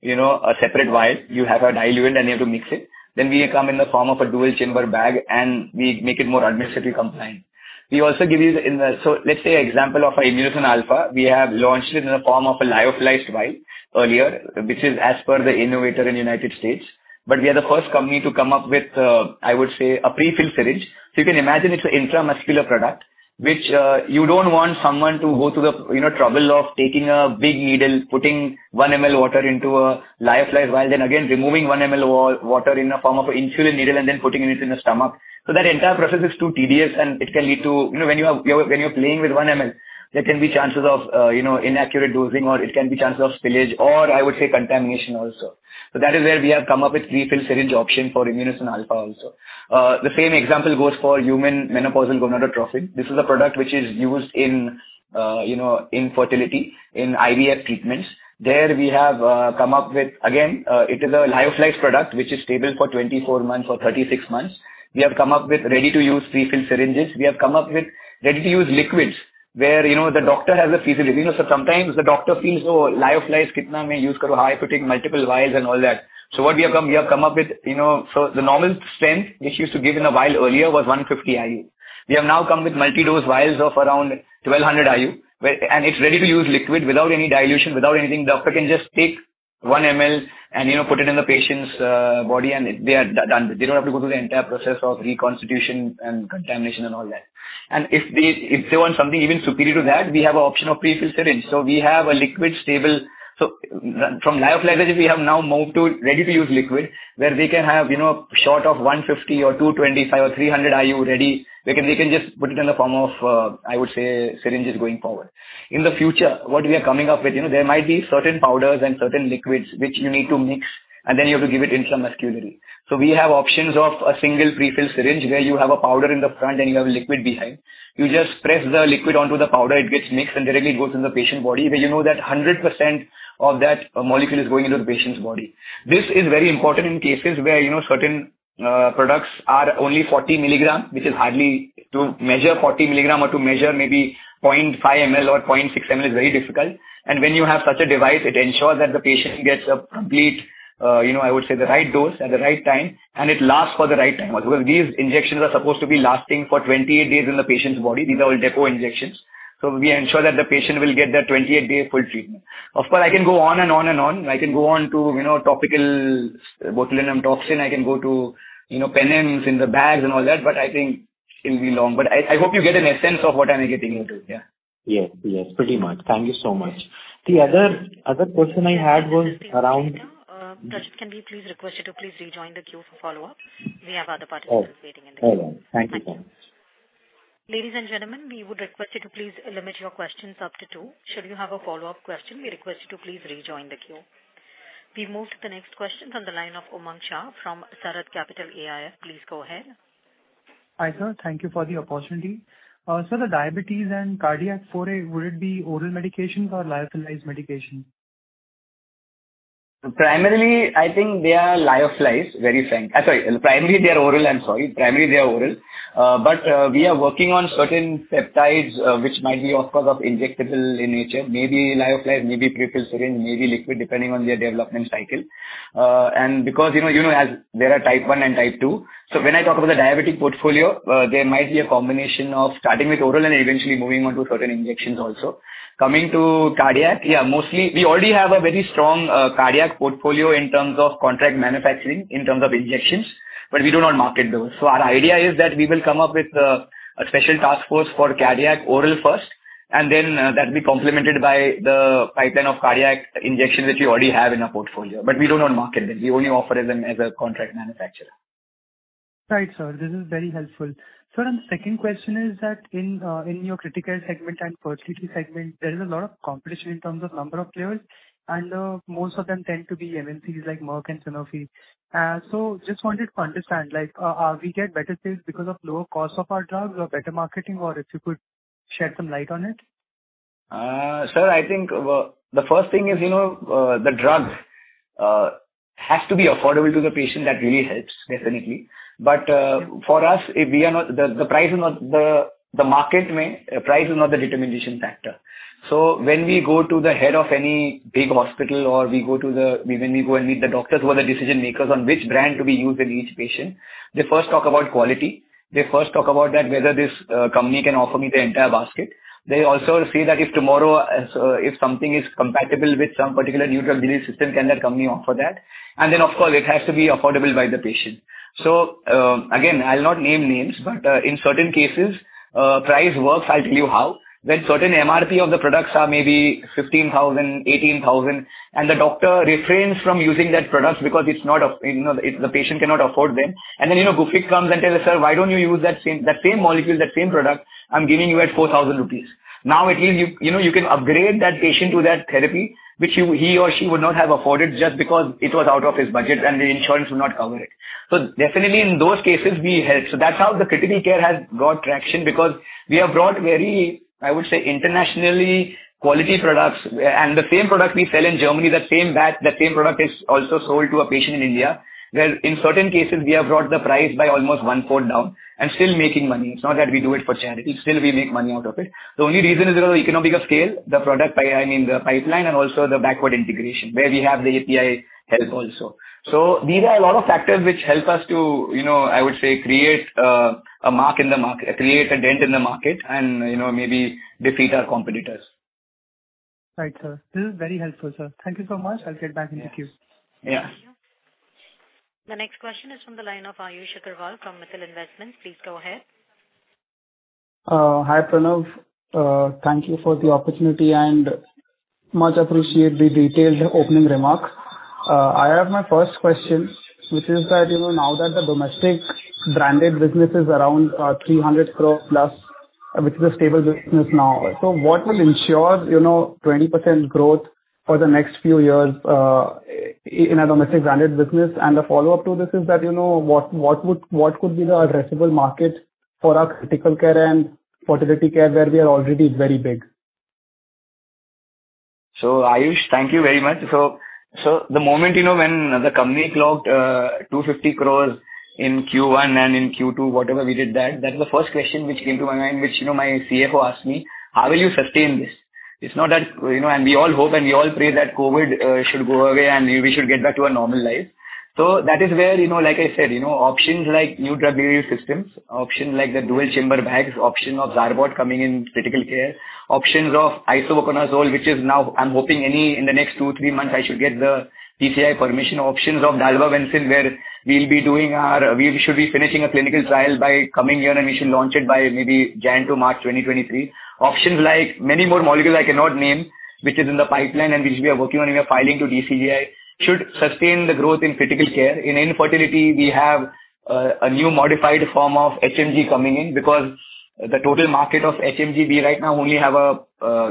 you know, a separate vial. You have a diluent, and you have to mix it. Then we come in the form of a dual chamber bag, and we make it more administratively compliant. We also give you the example of Immunocin Alpha. We have launched it in the form of a lyophilized vial earlier, which is as per the innovator in the United States. We are the first company to come up with, I would say, a prefilled syringe. You can imagine it's an intramuscular product, which, you don't want someone to go through the, you know, trouble of taking a big needle, putting 1 ml water into a lyophilized vial, then again, removing 1 ml water in the form of insulin needle and then putting it in the stomach. That entire process is too tedious, and it can lead to you know, when you're playing with 1 ml, there can be chances of, you know, inaccurate dosing or it can be chances of spillage or I would say contamination also. That is where we have come up with prefilled syringe option for Immunocin Alpha also. The same example goes for human menopausal gonadotropin. This is a product which is used in, you know, infertility, in IVF treatments. There we have come up with it, a lyophilized product which is stable for 24 months or 36 months. We have come up with ready-to-use prefilled syringes. We have come up with ready-to-use liquids where, you know, the doctor has a feasibility. You know, sometimes the doctor feels, "Oh, lyophilized." We have now come with multi-dose vials of around 1200 IU, where it's ready-to-use liquid without any dilution, without anything. The doctor can just take 1 ml and, you know, put it in the patient's body, and they are done. They don't have to go through the entire process of reconstitution and contamination and all that. If they want something even superior to that, we have an option of pre-filled syringe. We have a liquid stable. From lyophilization, we have now moved to ready-to-use liquid, where we can have, you know, sort of 150 or 225 or 300 IU ready. We can just put it in the form of, I would say, syringes going forward. In the future, what we are coming up with, you know, there might be certain powders and certain liquids which you need to mix, and then you have to give it intramuscularly. We have options of a single pre-filled syringe, where you have a powder in the front and you have a liquid behind. You just press the liquid onto the powder, it gets mixed, and directly it goes in the patient body, where you know that 100% of that molecule is going into the patient's body. This is very important in cases where, you know, certain products are only 40 mg, which is hardly to measure 40 mg or to measure maybe 0.5 ml or 0.6 ml is very difficult. When you have such a device, it ensures that the patient gets a complete, you know, I would say the right dose at the right time, and it lasts for the right time as well. Because these injections are supposed to be lasting for 28 days in the patient's body. These are all depot injections. We ensure that the patient will get their 28 days full treatment. Of course, I can go on and on and on. I can go on to, you know, topical botulinum toxin. I can go to, you know, penems in the bags and all that, but I think it'll be long. I hope you get an essence of what I'm getting into. Yeah. Yes. Yes. Pretty much. Thank you so much. The other question I had was around- Prerit, can we please request you to please rejoin the queue for follow-up? We have other participants waiting in the queue. Okay. All right. Thank you so much. Thank you. Ladies and gentlemen, we would request you to please limit your questions up to two. Should you have a follow-up question, we request you to please rejoin the queue. We move to the next question from the line of Umang Shah from Sarath Capital AIS. Please go ahead. Hi, sir. Thank you for the opportunity. The diabetes and cardiac foray, would it be oral medications or lyophilized medications? Primarily, they are oral. We are working on certain peptides, which might be, of course, of injectable in nature. Maybe lyophilized, maybe pre-filled syringe, maybe liquid, depending on their development cycle. Because, you know, as there are type 1 and type 2. When I talk about the diabetic portfolio, there might be a combination of starting with oral and eventually moving on to certain injections also. Coming to cardiac, mostly we already have a very strong cardiac portfolio in terms of contract manufacturing, in terms of injections, but we do not market those. Our idea is that we will come up with a special task force for cardiac oral first, and then, that'll be complemented by the pipeline of cardiac injections that we already have in our portfolio. We do not market them. We only offer them as a contract manufacturer. Right, sir. This is very helpful. Sir, and second question is that in your critical care segment and fertility segment, there is a lot of competition in terms of number of players, and most of them tend to be MNCs like Merck and Sanofi. So just wanted to understand, like we get better sales because of lower cost of our drugs or better marketing, or if you could shed some light on it. Sir, I think the first thing is, you know, the drug has to be affordable to the patient. That really helps, definitely. For us, the price is not the market price is not the determination factor. When we go to the head of any big hospital or we go to the. When we go and meet the doctors who are the decision-makers on which brand to be used in each patient, they first talk about quality. They first talk about that whether this company can offer me the entire basket. They also say that if tomorrow, so if something is compatible with some particular neutral delivery system, can that company offer that? Then, of course, it has to be affordable by the patient. Again, I'll not name names, but in certain cases, price works. I'll tell you how. When certain MRP of the products are maybe 15,000, 18,000, and the doctor refrains from using that product because it's not. You know, the patient cannot afford them. You know, Gufic comes and tells the sir, "Why don't you use that same molecule, that same product I'm giving you at 4,000 rupees." Now at least you know, you can upgrade that patient to that therapy which he or she would not have afforded just because it was out of his budget and the insurance would not cover it. Definitely in those cases we help. That's how the critical care has got traction because we have brought very, I would say, international quality products. The same product we sell in Germany, that same batch, that same product is also sold to a patient in India. Where in certain cases we have brought the price by almost one-fourth down and still making money. It's not that we do it for charity. Still we make money out of it. The only reason is the economics of scale, the product. I mean, the pipeline and also the backward integration where we have the API help also. These are a lot of factors which help us to, you know, I would say, create a mark in the market, create a dent in the market and, you know, maybe defeat our competitors. Right, sir. This is very helpful, sir. Thank you so much. I'll get back in the queue. Yeah. Thank you. The next question is from the line of Ayush Agarwal from Mittal Investments. Please go ahead. Hi, Pranav. Thank you for the opportunity and I much appreciate the detailed opening remarks. I have my first question, which is that, you know, now that the domestic branded business is around 300 crore plus, which is a stable business now. What will ensure, you know, 20% growth for the next few years in our domestic branded business? The follow-up to this is that, you know, what could be the addressable market for our critical care and fertility care, where we are already very big? Ayush, thank you very much. The moment, you know, when the company clocked 250 crore in Q1 and in Q2, whatever we did that's the first question which came to my mind, which, you know, my CFO asked me, "How will you sustain this?" It's not that you know, and we all hope and we all pray that COVID should go away and we should get back to our normal life. That is where, you know, like I said, you know, options like new drug delivery systems, option like the dual chamber bags, option of Xarbod coming in critical care, options of isavuconazole, which is now I'm hoping any day in the next 2-3 months I should get the DCGI permission. Options of dalbavancin where we'll be doing our. We should be finishing a clinical trial by coming year, and we should launch it by maybe January to March 2023. Options like many more molecules I cannot name, which is in the pipeline and which we are working on, we are filing to DCGI should sustain the growth in critical care. In infertility, we have a new modified form of HMG coming in because the total market of HMG, we right now only have a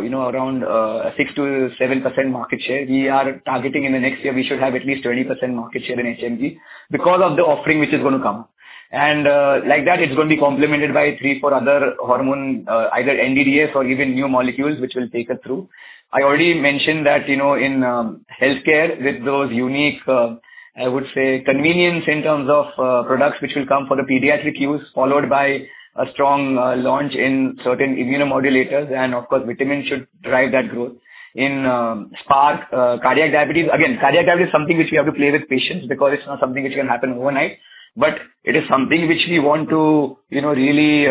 you know, around 6%-7% market share. We are targeting in the next year, we should have at least 20% market share in HMG because of the offering which is gonna come. Like that, it's gonna be complemented by 3-4 other hormone either NDDS or even new molecules which will take us through. I already mentioned that, you know, in healthcare with those unique, I would say convenience in terms of products which will come for the pediatric use, followed by a strong launch in certain immunomodulators and of course vitamins should drive that growth. In Spark, cardiac, diabetes. Again, cardiac, diabetes is something which we have to play with patients because it's not something which can happen overnight, but it is something which we want to, you know, really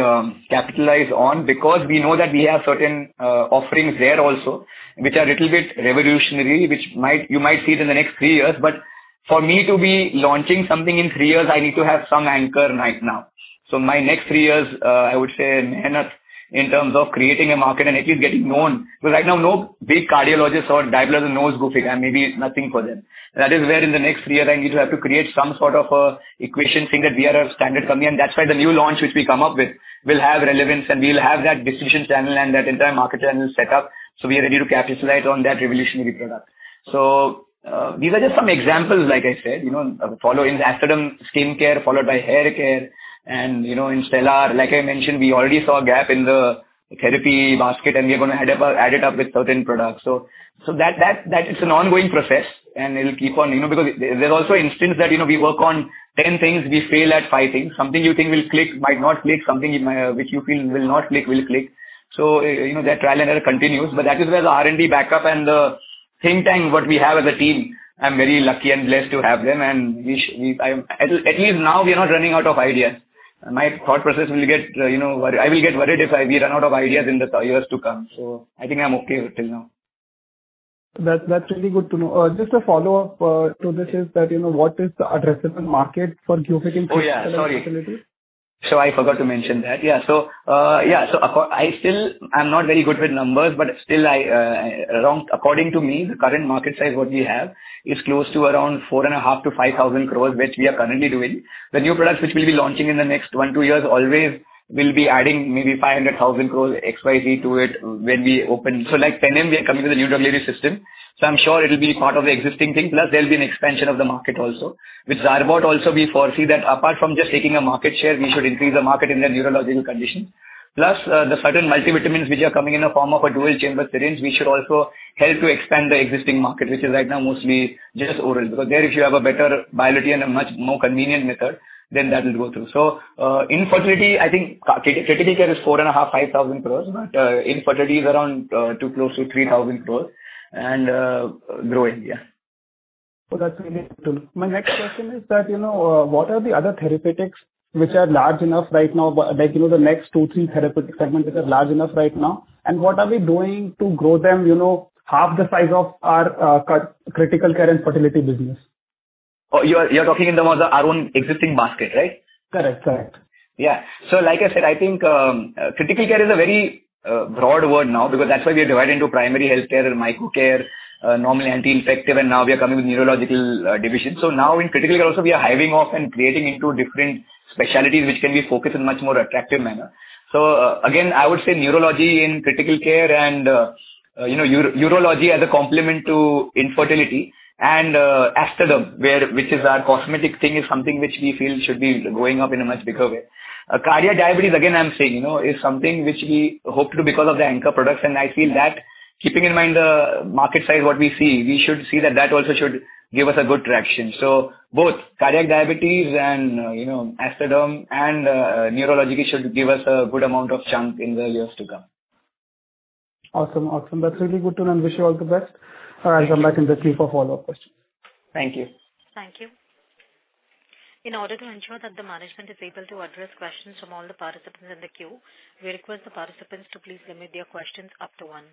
capitalize on because we know that we have certain offerings there also which are little bit revolutionary, which you might see it in the next three years. For me to be launching something in three years, I need to have some anchor right now. My next three years, I would say in terms of creating a market and at least getting known. Because right now, no big cardiologist or diabetologist knows Gufic and maybe it's nothing for them. That is where in the next three years I need to have to create some sort of a equation, saying that we are a standard company, and that's why the new launch which we come up with will have relevance and we'll have that distribution channel and that entire market channel set up, so we are ready to capitalize on that revolutionary product. These are just some examples, like I said. You know, following Aesthaderm skincare followed by haircare. You know, in Stellar, like I mentioned, we already saw a gap in the therapy basket, and we're gonna add it up with certain products. That is an ongoing process and it'll keep on. You know, because there's also an instance that, you know, we work on 10 things, we fail at five things. Something you think will click might not click. Something which you feel will not click, will click. You know, that trial and error continues, but that is where the R&D backup and at the same time what we have as a team. I'm very lucky and blessed to have them. At least now we are not running out of ideas. My thought process will get, you know, worried if we run out of ideas in the years to come. I think I'm okay till now. That's really good to know. Just a follow-up to this is that, you know, what is the addressable market for Gufic in fertility? Sorry, I forgot to mention that. I still am not very good with numbers, but according to me, the current market size what we have is close to around 4,500-5,000 crore, which we are currently doing. The new products which we'll be launching in the next 1-2 years always will be adding maybe 500-1,000 crore XYZ to it when we open. Like Penem, we are coming with a new WAD system, so I'm sure it'll be part of the existing thing. Plus there'll be an expansion of the market also. With Xarbote also we foresee that apart from just taking a market share, we should increase the market in the neurological condition. The certain multivitamins which are coming in the form of a dual chamber syringe we should also help to expand the existing market, which is right now mostly just oral, because there if you have a better biology and a much more convenient method, then that will go through. Infertility, I think, critical care is 4.500-5,000 crore, but infertility is around INR 2,000-close to 3,000 crore and growing. That's really good to know. My next question is that, you know, what are the other therapeutics which are large enough right now, like, you know, the next two, three therapeutic segments which are large enough right now, and what are we doing to grow them, you know, half the size of our critical care and fertility business? Oh, you're talking in terms of our own existing basket, right? Correct. Correct. Yeah. Like I said, I think critical care is a very broad word now because that's why we are divided into primary healthcare, micro care, normally anti-infective, and now we are coming with neurological division. Now in critical care also we are hiving off and creating into different specialties which can be focused in much more attractive manner. Again, I would say neurology in critical care and you know, urology as a complement to infertility and Aesthaderm, which is our cosmetic thing, is something which we feel should be going up in a much bigger way. Cardiac, diabetes again, I'm saying, you know, is something which we hope to because of the anchor products, and I feel that keeping in mind the market size what we see, we should see that that also should give us a good traction. Both cardiac, diabetes and, you know, Aesthaderm and, neurology should give us a good amount of chunk in the years to come. Awesome. Awesome. That's really good to know, and wish you all the best. I'll come back in the queue for follow-up questions. Thank you. Thank you. In order to ensure that the management is able to address questions from all the participants in the queue, we request the participants to please limit their questions up to one.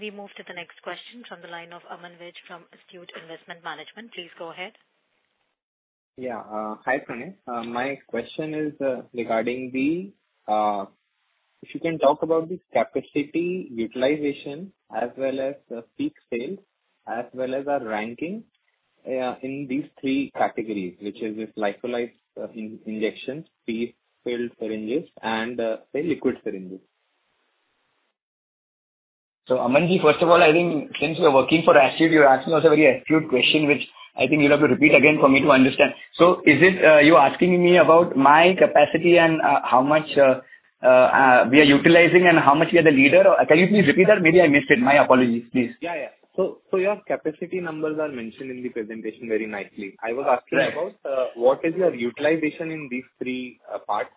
We move to the next question from the line of Aman Vij from Astute Investment Management. Please go ahead. Yeah. Hi, Pranav. My question is if you can talk about the capacity utilization as well as the peak sales, as well as our ranking in these three categories, which is this lyophilized injections, pre-filled syringes, and the liquid syringes. Amanji, first of all, I think since you're working for Astute, you're asking us a very astute question, which I think you'll have to repeat again for me to understand. Is it, you're asking me about my capacity and, we are utilizing and how much we are the leader? Or can you please repeat that? Maybe I missed it. My apologies, please. Yeah. Your capacity numbers are mentioned in the presentation very nicely. Right. I was asking about what is your utilization in these three parts?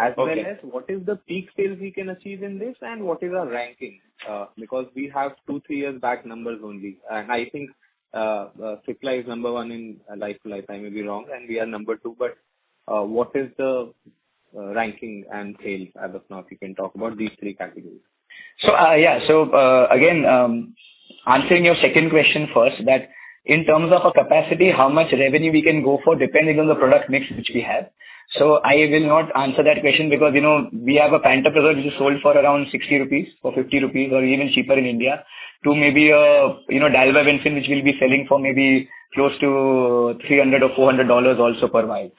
As well as what is the peak sales we can achieve in this and what is our ranking? Because we have 2, 3 years back numbers only. I think Cipla is number 1 in lifetime, I may be wrong, and we are number 2. What is the ranking and sales as of now, if you can talk about these three categories. Again, answering your second question first, that in terms of our capacity, how much revenue we can go for depending on the product mix which we have. I will not answer that question because, you know, we have a pantoprazole which is sold for around 60 rupees or 50 rupees or even cheaper in India to maybe, you know, Dalbavancin, which we'll be selling for maybe close to $300 or $400 also per vial.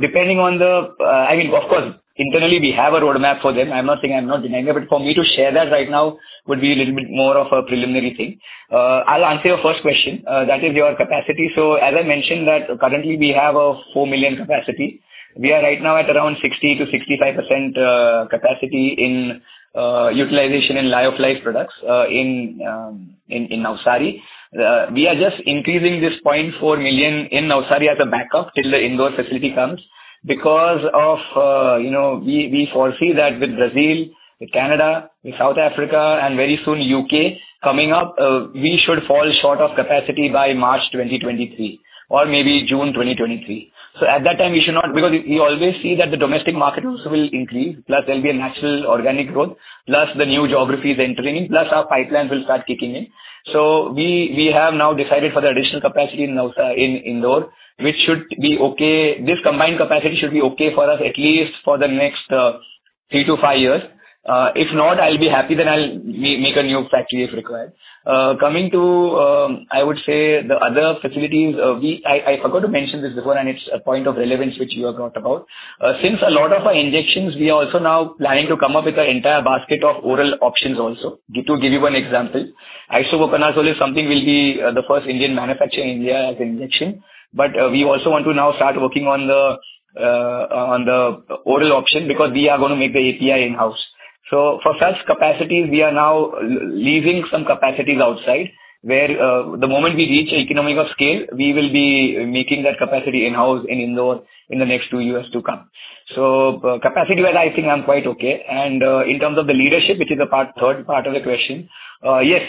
Depending on the product mix, of course, internally, we have a roadmap for them. I'm not saying I'm not denying it, but for me to share that right now would be a little bit more of a preliminary thing. I'll answer your first question. That is your capacity. As I mentioned that currently we have a 4 million capacity. We are right now at around 60%-65% capacity in utilization in Life Sciences products in Navsari. We are just increasing this 0.4 million in Navsari as a backup till the Indore facility comes because we foresee that with Brazil, with Canada, with South Africa and very soon U.K. coming up, we should fall short of capacity by March 2023 or maybe June 2023. At that time, we should not fall short of capacity because we always see that the domestic market also will increase, plus there'll be a natural organic growth, plus the new geographies entering, plus our pipelines will start kicking in. We have now decided for the additional capacity in Indore, which should be okay. This combined capacity should be okay for us, at least for the next 3-5 years. If not, I'll be happy, then I'll make a new factory if required. Coming to, I would say the other facilities, I forgot to mention this before, and it's a point of relevance which you have brought about. Since a lot of our injections, we are also now planning to come up with an entire basket of oral options also. To give you one example, isavuconazole is something we'll be the first Indian manufacturer in India as injection. We also want to now start working on the oral option because we are gonna make the API in-house. For such capacities, we are now leaving some capacities outside, where the moment we reach economies of scale, we will be making that capacity in-house in Indore in the next two years to come. Capacity-wise, I think I'm quite okay. In terms of the leadership, which is the part, third part of the question, yes,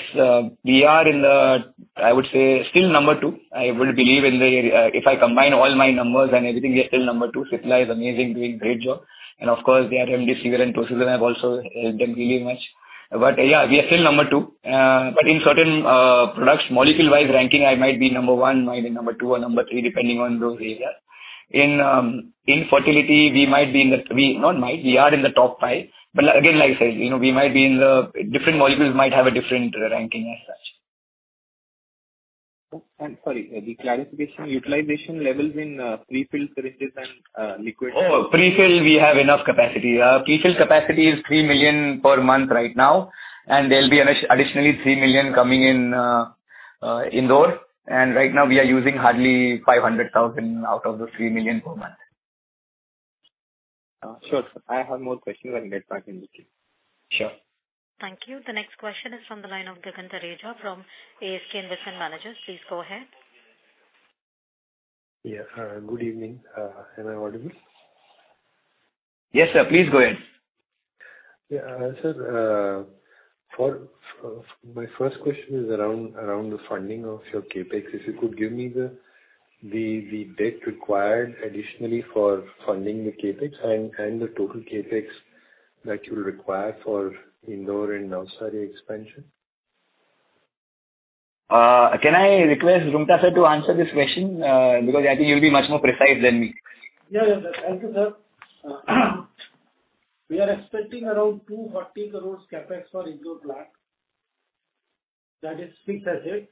we are in the, I would say still number 2. I would believe in the if I combine all my numbers and everything, we are still number 2. Cipla is amazing, doing great job. Of course, they are MD Seager and Tosuen have also helped them really much. Yeah, we are still number 2. In certain products, molecule-wise ranking, I might be number 1, might be number 2 or number 3, depending on those areas. In fertility, we are in the top five. Again, like I said, you know, different molecules might have a different ranking as such. Oh, sorry, the clarification utilization levels in pre-filled syringes and liquid. Oh, pre-fill, we have enough capacity. Pre-fill capacity is 3 million per month right now, and there'll be an additional 3 million coming in, Indore. Right now we are using hardly 500,000 out of the 3 million per month. Sure, sir. I have more questions. I'll get back in with you. Sure. Thank you. The next question is from the line of Gagan Thareja from ASK Investment Managers. Please go ahead. Yeah. Good evening. Am I audible? Yes, sir. Please go ahead. Sir, for my first question is around the funding of your CapEx. If you could give me the debt required additionally for funding the CapEx and the total CapEx that you require for Indore and Navsari expansion. Can I request Roonghta sir to answer this question? Because I think he'll be much more precise than me. Thank you, sir. We are expecting around 240 crores CapEx for Indore plant. That is fixed as yet.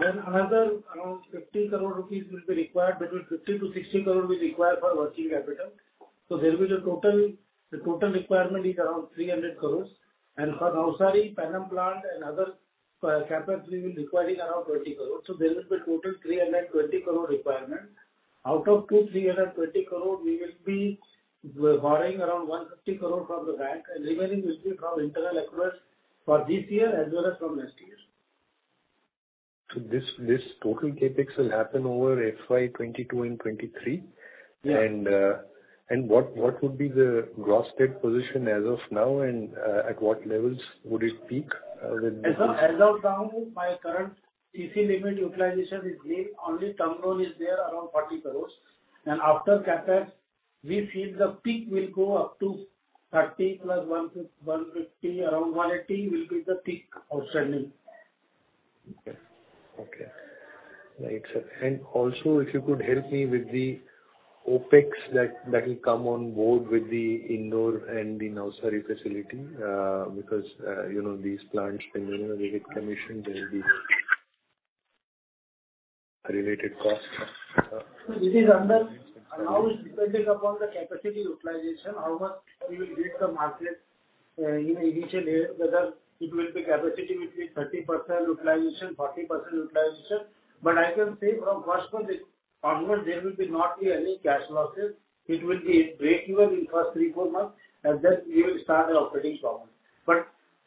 Another around 50 crore rupees will be required. Between 50-60 crore will be required for working capital. The total requirement is around 300 crores. For Navsari Penem plant and other CapEx, we will be requiring around 20 crores. There will be a total 320 crore requirement. Out of total 320 crore, we will be borrowing around 150 crore from the bank, and remaining will be from internal accruals for this year as well as from next year. This total CapEx will happen over FY 2022 and 2023? Yeah. What would be the gross debt position as of now, and at what levels would it peak with the- As of now, my current EC limit utilization is 8%. Only term loan is there around 40 crore. After CapEx, we feel the peak will go up to 30 plus 150. Around 180 crore will be the peak outstanding. Okay. Okay. Right, sir. If you could help me with the OpEx that will come on board with the Indore and the Navsari facility, because, you know, these plants, when, you know, they get commissioned, there will be related costs. It's dependent upon the capacity utilization, how much we will get the market, in initial days. Whether it will be capacity between 30% utilization, 40% utilization. I can say from first month onwards, there will not be any cash losses. It will be breakeven in first three, four months, and then we will start the operating profit.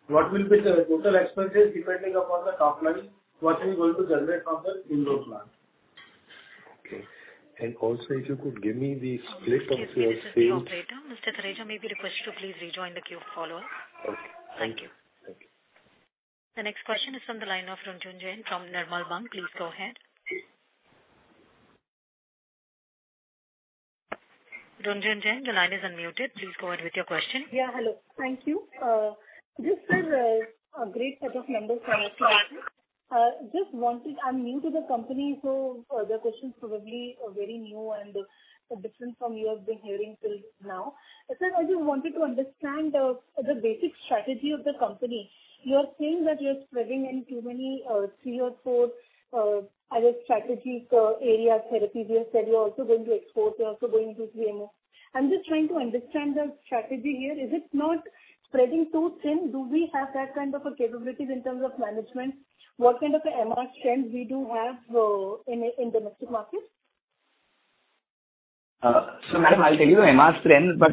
What will be the total expenses depending upon the top line, what we're going to generate from the Indore plant. Okay. Also if you could give me the split of your sales- Mr. Okay. This is the operator. Mr. Thareja may be requested to please rejoin the queue for follow-up. Okay, thank you. Thank you. The next question is from the line of Runjhun Jain from Nirmal Bang. Please go ahead. Runjhun Jain, your line is unmuted. Please go ahead with your question. Yeah, hello. Thank you. This is a great set of numbers from your company. Just wanted... I'm new to the company, so the questions probably are very new and different from what you have been hearing till now. Sir, I just wanted to understand the basic strategy of the company. You are saying that you are spreading in too many 3 or 4, I guess strategies, areas, therapies. You have said you're also going to exports, you're also going into CMO. I'm just trying to understand the strategy here. Is it not spreading too thin? Do we have that kind of a capabilities in terms of management? What kind of a MR strength we do have in domestic markets? Ma'am, I'll tell you MR strength, but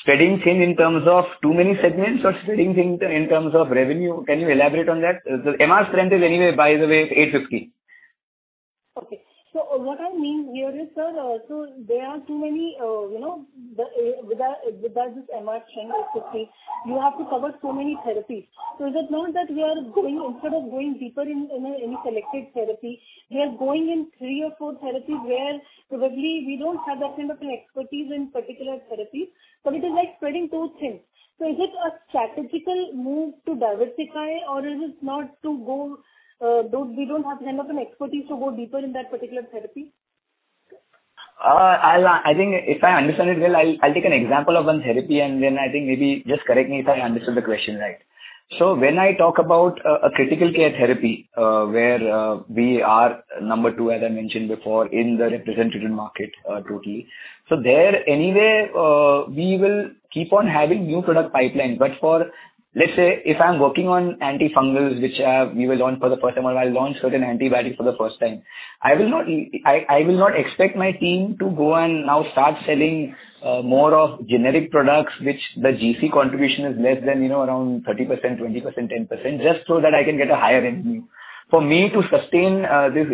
spreading thin in terms of too many segments or spreading thin in terms of revenue? Can you elaborate on that? The MR strength is anyway, by the way, 850. Okay. What I mean here is, sir, there are too many, you know, with the MR strength of 50, you have to cover so many therapies. Instead of going deeper in, you know, any selected therapy, we are going in three or four therapies where probably we don't have that kind of an expertise in particular therapies, so it is like spreading too thin. Is it a strategic move to diversify or is it that we don't have kind of an expertise to go deeper in that particular therapy? I think if I understand it well, I'll take an example of 1 therapy and then I think maybe just correct me if I understood the question right. When I talk about a critical care therapy, where we are number 2, as I mentioned before, in the represented market, totally. There anyway, we will keep on having new product pipeline. For let's say if I'm working on antifungals, which we will launch for the first time or I'll launch certain antibiotic for the first time, I will not expect my team to go and now start selling more of generic products which the GC contribution is less than, you know, around 30%, 20%, 10%, just so that I can get a higher revenue. For me to sustain this,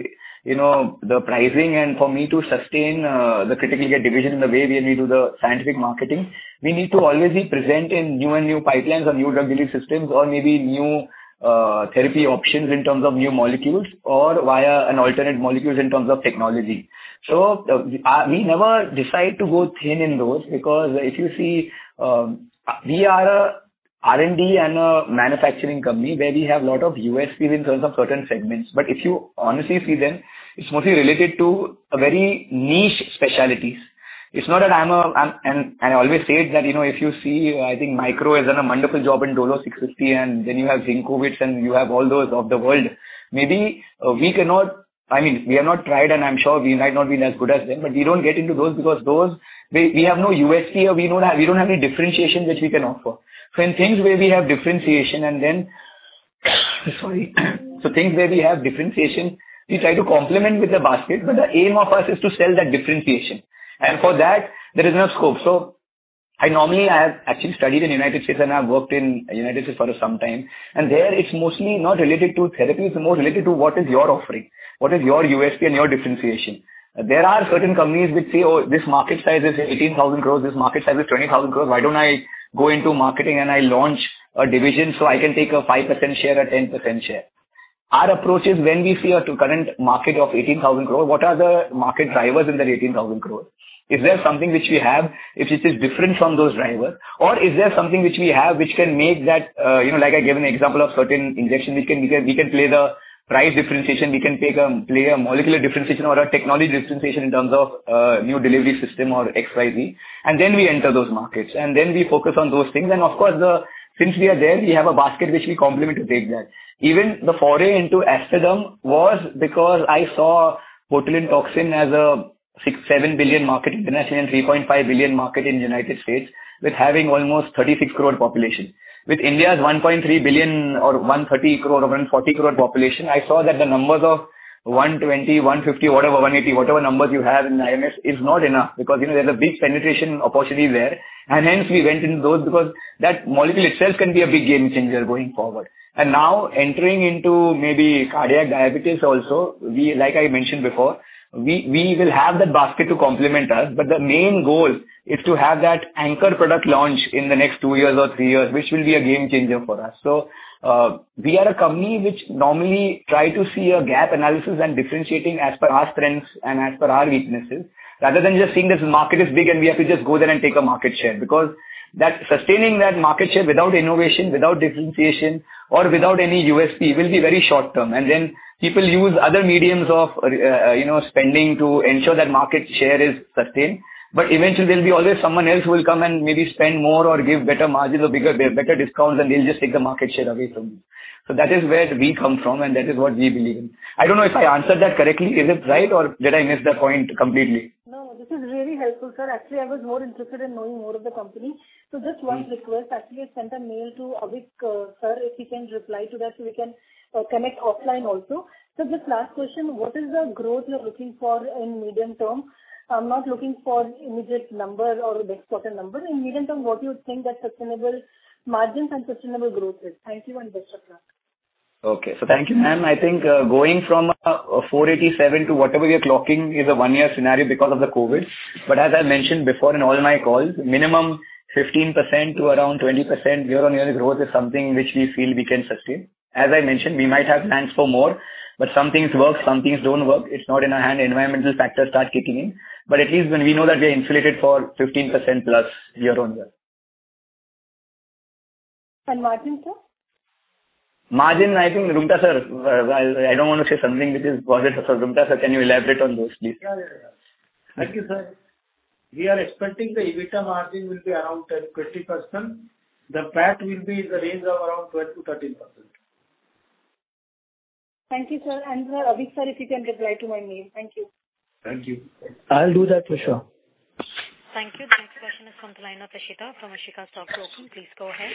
you know, the pricing and for me to sustain the critical care division in the way we do the scientific marketing, we need to always be present in new and new pipelines or new drug delivery systems or maybe new therapy options in terms of new molecules or via alternate molecules in terms of technology. We never decide to go thin in those because if you see, we are a R&D and a manufacturing company where we have lot of USPs in terms of certain segments. If you honestly see them, it's mostly related to a very niche specialties. It's not that I'm a... I always say it that, you know, if you see, I think Micro has done a wonderful job in Dolo 650, and then you have Zincovit and you have all those of the world. Maybe we cannot. I mean, we have not tried, and I'm sure we might not been as good as them, but we don't get into those because those we have no USP or we don't have any differentiation which we can offer. In things where we have differentiation, we try to complement with the basket, but the aim of us is to sell that differentiation. For that there is no scope. I normally have actually studied in United States and I've worked in United States for some time, and there it's mostly not related to therapies. It's more related to what is your offering, what is your USP and your differentiation. There are certain companies which say, "Oh, this market size is 18,000 crores. This market size is 20,000 crores. Why don't I go into marketing and I launch a division so I can take a 5% share, a 10% share?" Our approach is when we see a current market of 18,000 crores, what are the market drivers in that 18,000 crores? Is there something which we have if it is different from those drivers or is there something which we have which can make that, you know, like I gave an example of certain injection, we can play the price differentiation. We can play a molecular differentiation or a technology differentiation in terms of, new delivery system or XYZ. Then we enter those markets, and then we focus on those things. Of course, since we are there, we have a basket which we complement to take that. Even the foray into Aesthaderm was because I saw botulinum toxin as a $6-$7 billion market in India and $3.5 billion market in United States with having almost 36 crore population. With India's 1.3 billion or 130 crore or 140 crore population, I saw that the numbers of 120, 150, whatever, 180, whatever numbers you have in IMS is not enough because, you know, there's a big penetration opportunity there. Hence we went into those because that molecule itself can be a big game changer going forward. Now entering into maybe cardiac diabetes also, we, like I mentioned before, we will have that basket to complement us, but the main goal is to have that anchor product launch in the next 2 years or 3 years, which will be a game changer for us. We are a company which normally try to see a gap analysis and differentiating as per our strengths and as per our weaknesses, rather than just seeing that the market is big and we have to just go there and take a market share. Because that sustaining that market share without innovation, without differentiation or without any USP will be very short-term. Then people use other mediums of, you know, spending to ensure that market share is sustained. Eventually there'll be always someone else who will come and maybe spend more or give better margins or bigger, better discounts, and they'll just take the market share away from you. That is where we come from and that is what we believe in. I don't know if I answered that correctly. Is it right or did I miss the point completely? No, this is really helpful, sir. Actually, I was more interested in knowing more of the company. Just one request. Actually, I sent a mail to Avik, sir, if he can reply to that so we can connect offline also. Just last question, what is the growth you're looking for in medium term? I'm not looking for immediate number or next quarter number. In medium term, what do you think that sustainable margins and sustainable growth is? Thank you and best of luck. Okay. Thank you, ma'am. I think, going from 487 to whatever you're clocking is a one-year scenario because of the COVID. As I mentioned before in all my calls, minimum 15%-20% year-on-year growth is something which we feel we can sustain. As I mentioned, we might have plans for more, but some things work, some things don't work. It's not in our hand. Environmental factors start kicking in. At least when we know that we are insulated for 15% plus year-on-year. Margin, sir? Margin, I think Roonghta, sir. I don't wanna say something which is positive. Roonghta, sir, can you elaborate on those, please? Yeah, yeah. Thank you, sir. We are expecting the EBITDA margin will be around 10%-20%. The PAT will be in the range of around 12%-13%. Thank you, sir. Avik sir, if you can reply to my mail. Thank you. Thank you. I'll do that for sure. Thank you. The next question is from the line of Ishita from Ashika Stock Broking. Please go ahead.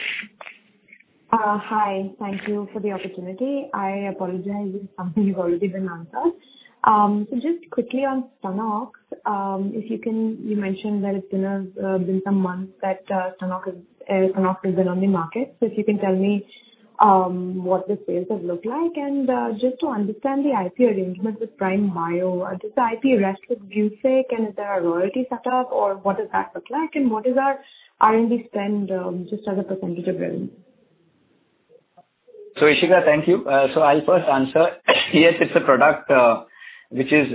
Hi. Thank you for the opportunity. I apologize if something you've already answered. Just quickly on Stanox, if you can. You mentioned that it's been some months that Stanox has been on the market. If you can tell me what the sales have looked like. Just to understand the IP arrangements with Prime Bio, does the IP rest with Dr. Dusa, and is there a royalty set up, or what does that look like? What is our R&D spend just as a percentage of revenue? Ishita, thank you. I'll first answer. Yes, it's a product which is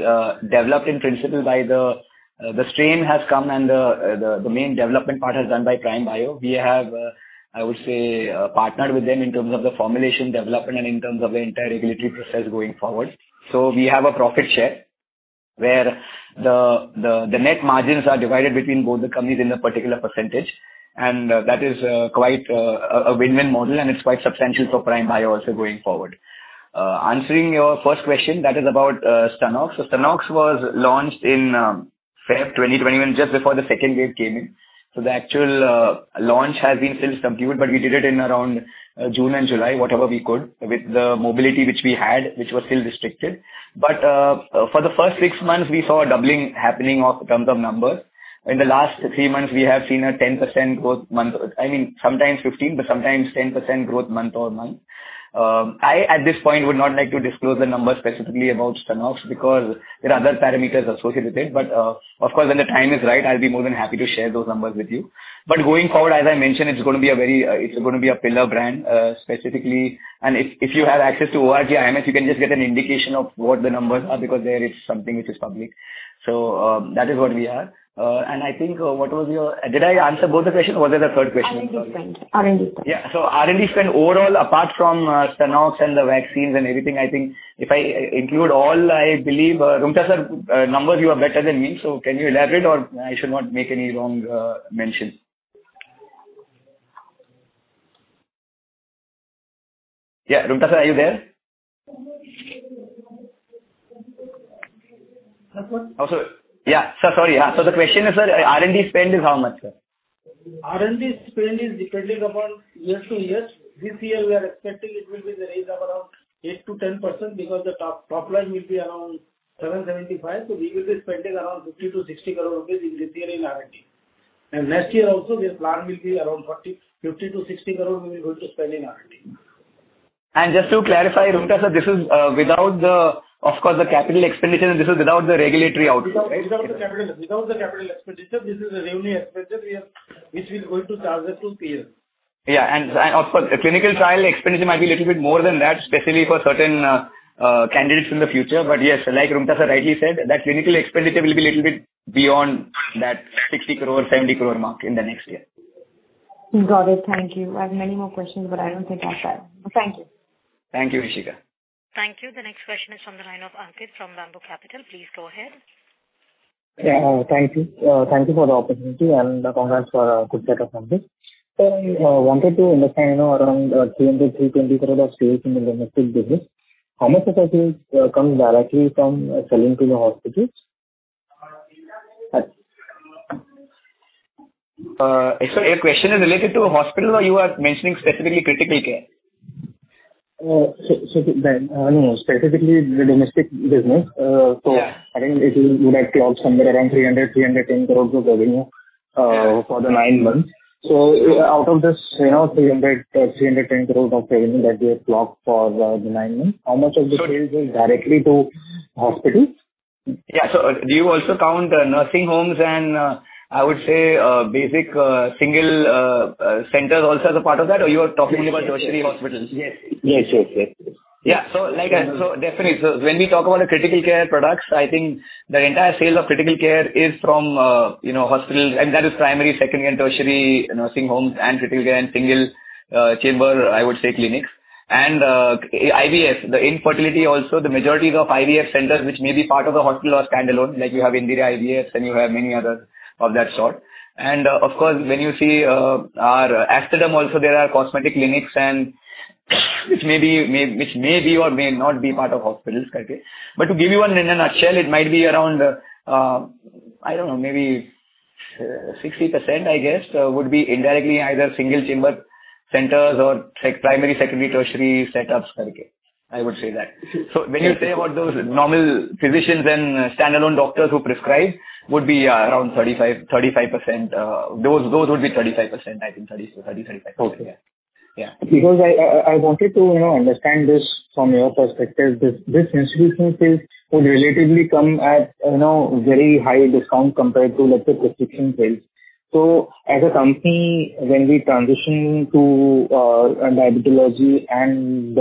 developed in principle by the the strain has come and the main development part is done by Prime Bio. We have I would say partnered with them in terms of the formulation development and in terms of the entire regulatory process going forward. We have a profit share where the net margins are divided between both the companies in a particular percentage. That is quite a win-win model, and it's quite substantial for Prime Bio also going forward. Answering your first question, that is about Stanox. Stanox was launched in February 2021, just before the second wave came in. The actual launch has since been completed, but we did it in around June and July, whatever we could with the mobility which we had, which was still restricted. For the first six months, we saw a doubling happening in terms of numbers. In the last three months, we have seen a 10% growth month-over-month. I mean, sometimes 15%, but sometimes 10% growth month-over-month. I, at this point, would not like to disclose the numbers specifically about Stanox because there are other parameters associated with it. Of course, when the time is right, I'll be more than happy to share those numbers with you. Going forward, as I mentioned, it's gonna be a very, it's gonna be a pillar brand, specifically. If you have access to ORG IMS, you can just get an indication of what the numbers are because there it's something which is public. That is what we are. I think, what was your question? Did I answer both the questions or was there a third question also? R&D spend. Yeah. R&D spend overall, apart from Stanox and the vaccines and everything, I think if I include all, I believe, Roonghta, sir, numbers you are better than me, so can you elaborate or I should not make any wrong mention. Yeah. Roonghta, sir, are you there? Yes, sir. The question is, sir, R&D spend is how much, sir? R&D spend is depending upon year to year. This year we are expecting it will be in the range of around 8%-10% because the top line will be around 775 crore. We will be spending around 50 crore-60 crore rupees this year in R&D. Next year also, the plan will be around 40, 50-60 crore we're going to spend in R&D. Just to clarify, Roonghta, sir, this is, without, of course, the capital expenditure, and this is without the regulatory outcome, right? Without the capital expenditure. This is a revenue expenditure we have, which we're going to charge this full year. Yeah. Of course, clinical trial expenditure might be little bit more than that, specifically for certain candidates in the future. Yes, like Roonghta sir rightly said, that clinical expenditure will be little bit beyond that 60 crore-70 crore mark in the next year. Got it. Thank you. I have many more questions, but I don't think I have time. Thank you. Thank you, Ishita. Thank you. The next question is from the line of Ankit from Rambo Capital. Please go ahead. Yeah. Thank you. Thank you for the opportunity and, congrats for a good set of numbers. I wanted to understand, you know, around 300-320 crore of sales in the domestic business, how much of that sales comes directly from selling to the hospitals? Sir, your question is related to hospital or you are mentioning specifically critical care? Specifically the domestic business. Yeah. I think if you look at clocked somewhere around 300-310 crores of revenue for the nine months. Out of this, you know, 300-310 crores of revenue that you have clocked for the nine months, how much of the sales is directly to hospitals? Yeah. Do you also count nursing homes and, I would say, basic single centers also as a part of that or you are talking only about tertiary hospitals? Yes. When we talk about the critical care products, I think the entire sales of critical care is from hospitals, and that is primary, secondary and tertiary nursing homes and critical care and single chamber, I would say, clinics. Our IVF, the infertility also, the majority of IVF centers which may be part of the hospital or standalone, like you have Indira IVF and you have many others of that sort. Of course, when you see our Aesthaderm also there are cosmetic clinics and which may be or may not be part of hospitals I would say that. When you say about those normal physicians and standalone doctors who prescribe would be around 35%. Those would be 35%. I think 30%-35%. Okay. Yeah. Because I wanted to, you know, understand this from your perspective. This institutional sales would relatively come at, you know, very high discount compared to, let's say, prescription sales. As a company, when we transition to diabetology and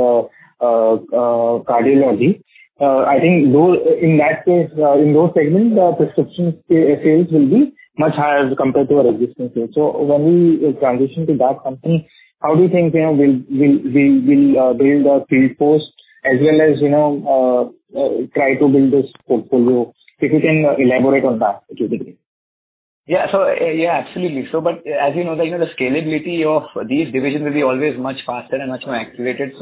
cardiology, I think in that case, in those segments, the prescription sales will be much higher as compared to our existing sales. When we transition to that company, how do you think, you know, we'll build our field force as well as, you know, try to build this portfolio? If you can elaborate on that, it would be great. Yeah, absolutely. But as you know, you know, the scalability of these divisions will be always much faster and much more accelerated.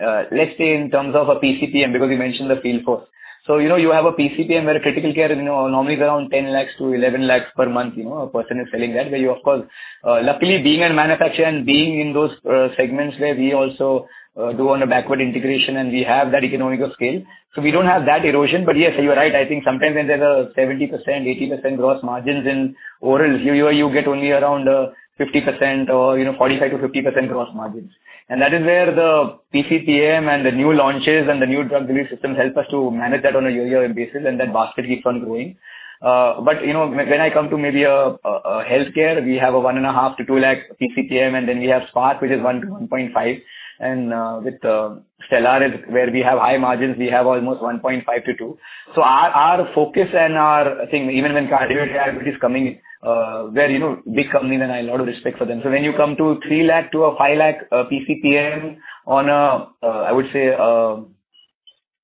Let's say in terms of a PCPM and because you mentioned the field force. You know, you have a PCPM where critical care is, you know, normally around 10 lakhs-11 lakhs per month, you know, a person is selling that. Where you of course, luckily being a manufacturer and being in those segments where we also do on a backward integration and we have that economies of scale, so we don't have that erosion. Yes, you're right. I think sometimes when there's a 70%-80% gross margins in orals, year-over-year you get only around 50% or, you know, 45%-50% gross margins. That is where the PCPM and the new launches and the new drug delivery systems help us to manage that on a year-over-year basis, and that basket keeps on growing. You know, when I come to maybe a healthcare, we have 1.5-2 lakh PCPM, and then we have Spark, which is 1-1.5. With Stellar is where we have high margins. We have almost 1.5%-2%. Our focus and our, I think, even when cardiac diabetes is coming, where you know big company and I have a lot of respect for them. When you come to 3 lakh-5 lakh PCPM on a I would say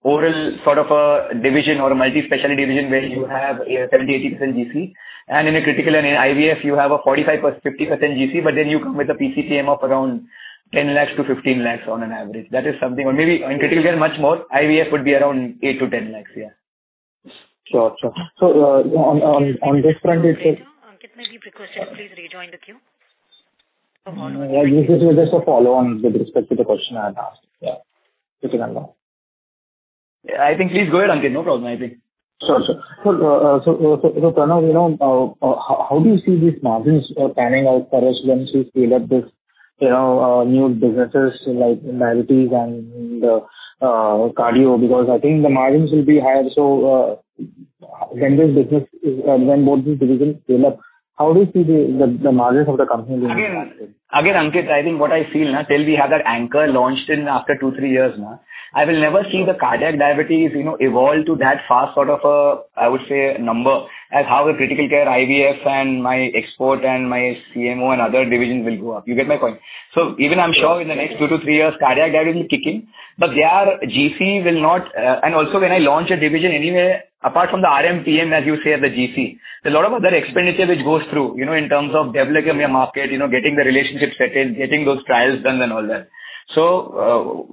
oral sort of a division or a multi-specialty division where you have a 70%-80% GC. In a critical and in IVF, you have a 45%-50% GC, but then you come with a PCPM of around 10 lakh-15 lakh on an average. That is something. Maybe in critical care, much more. IVF would be around 8 lakh-10 lakh. Yeah. Sure. On this front, it's Ankit Mehta, you've requested, please rejoin the queue for follow-up. Yeah, this is just a follow-on with respect to the question I had asked. Yeah. If you don't mind. I think please go ahead, Ankit. No problem, I think. Sure. Pranav, you know, how do you see these margins panning out for us once we scale up this, you know, new businesses like maladies and cardio? Because I think the margins will be higher. When both these divisions scale up, how do you see the margins of the company being impacted? Ankit, I think what I feel, till we have that anchor launched in after 2-3 years now, I will never see the cardiac diabetes, you know, evolve to that fast sort of a, I would say, number as how a critical care IVF and my export and my CMO and other divisions will go up. You get my point? Even I'm sure in the next 2-3 years, cardiac diabetes will kick in, but their GC will not. Also when I launch a division anywhere apart from the RM, PM, as you say, the GC, there's a lot of other expenditure which goes through, you know, in terms of developing a market, you know, getting the relationships settled, getting those trials done and all that. Of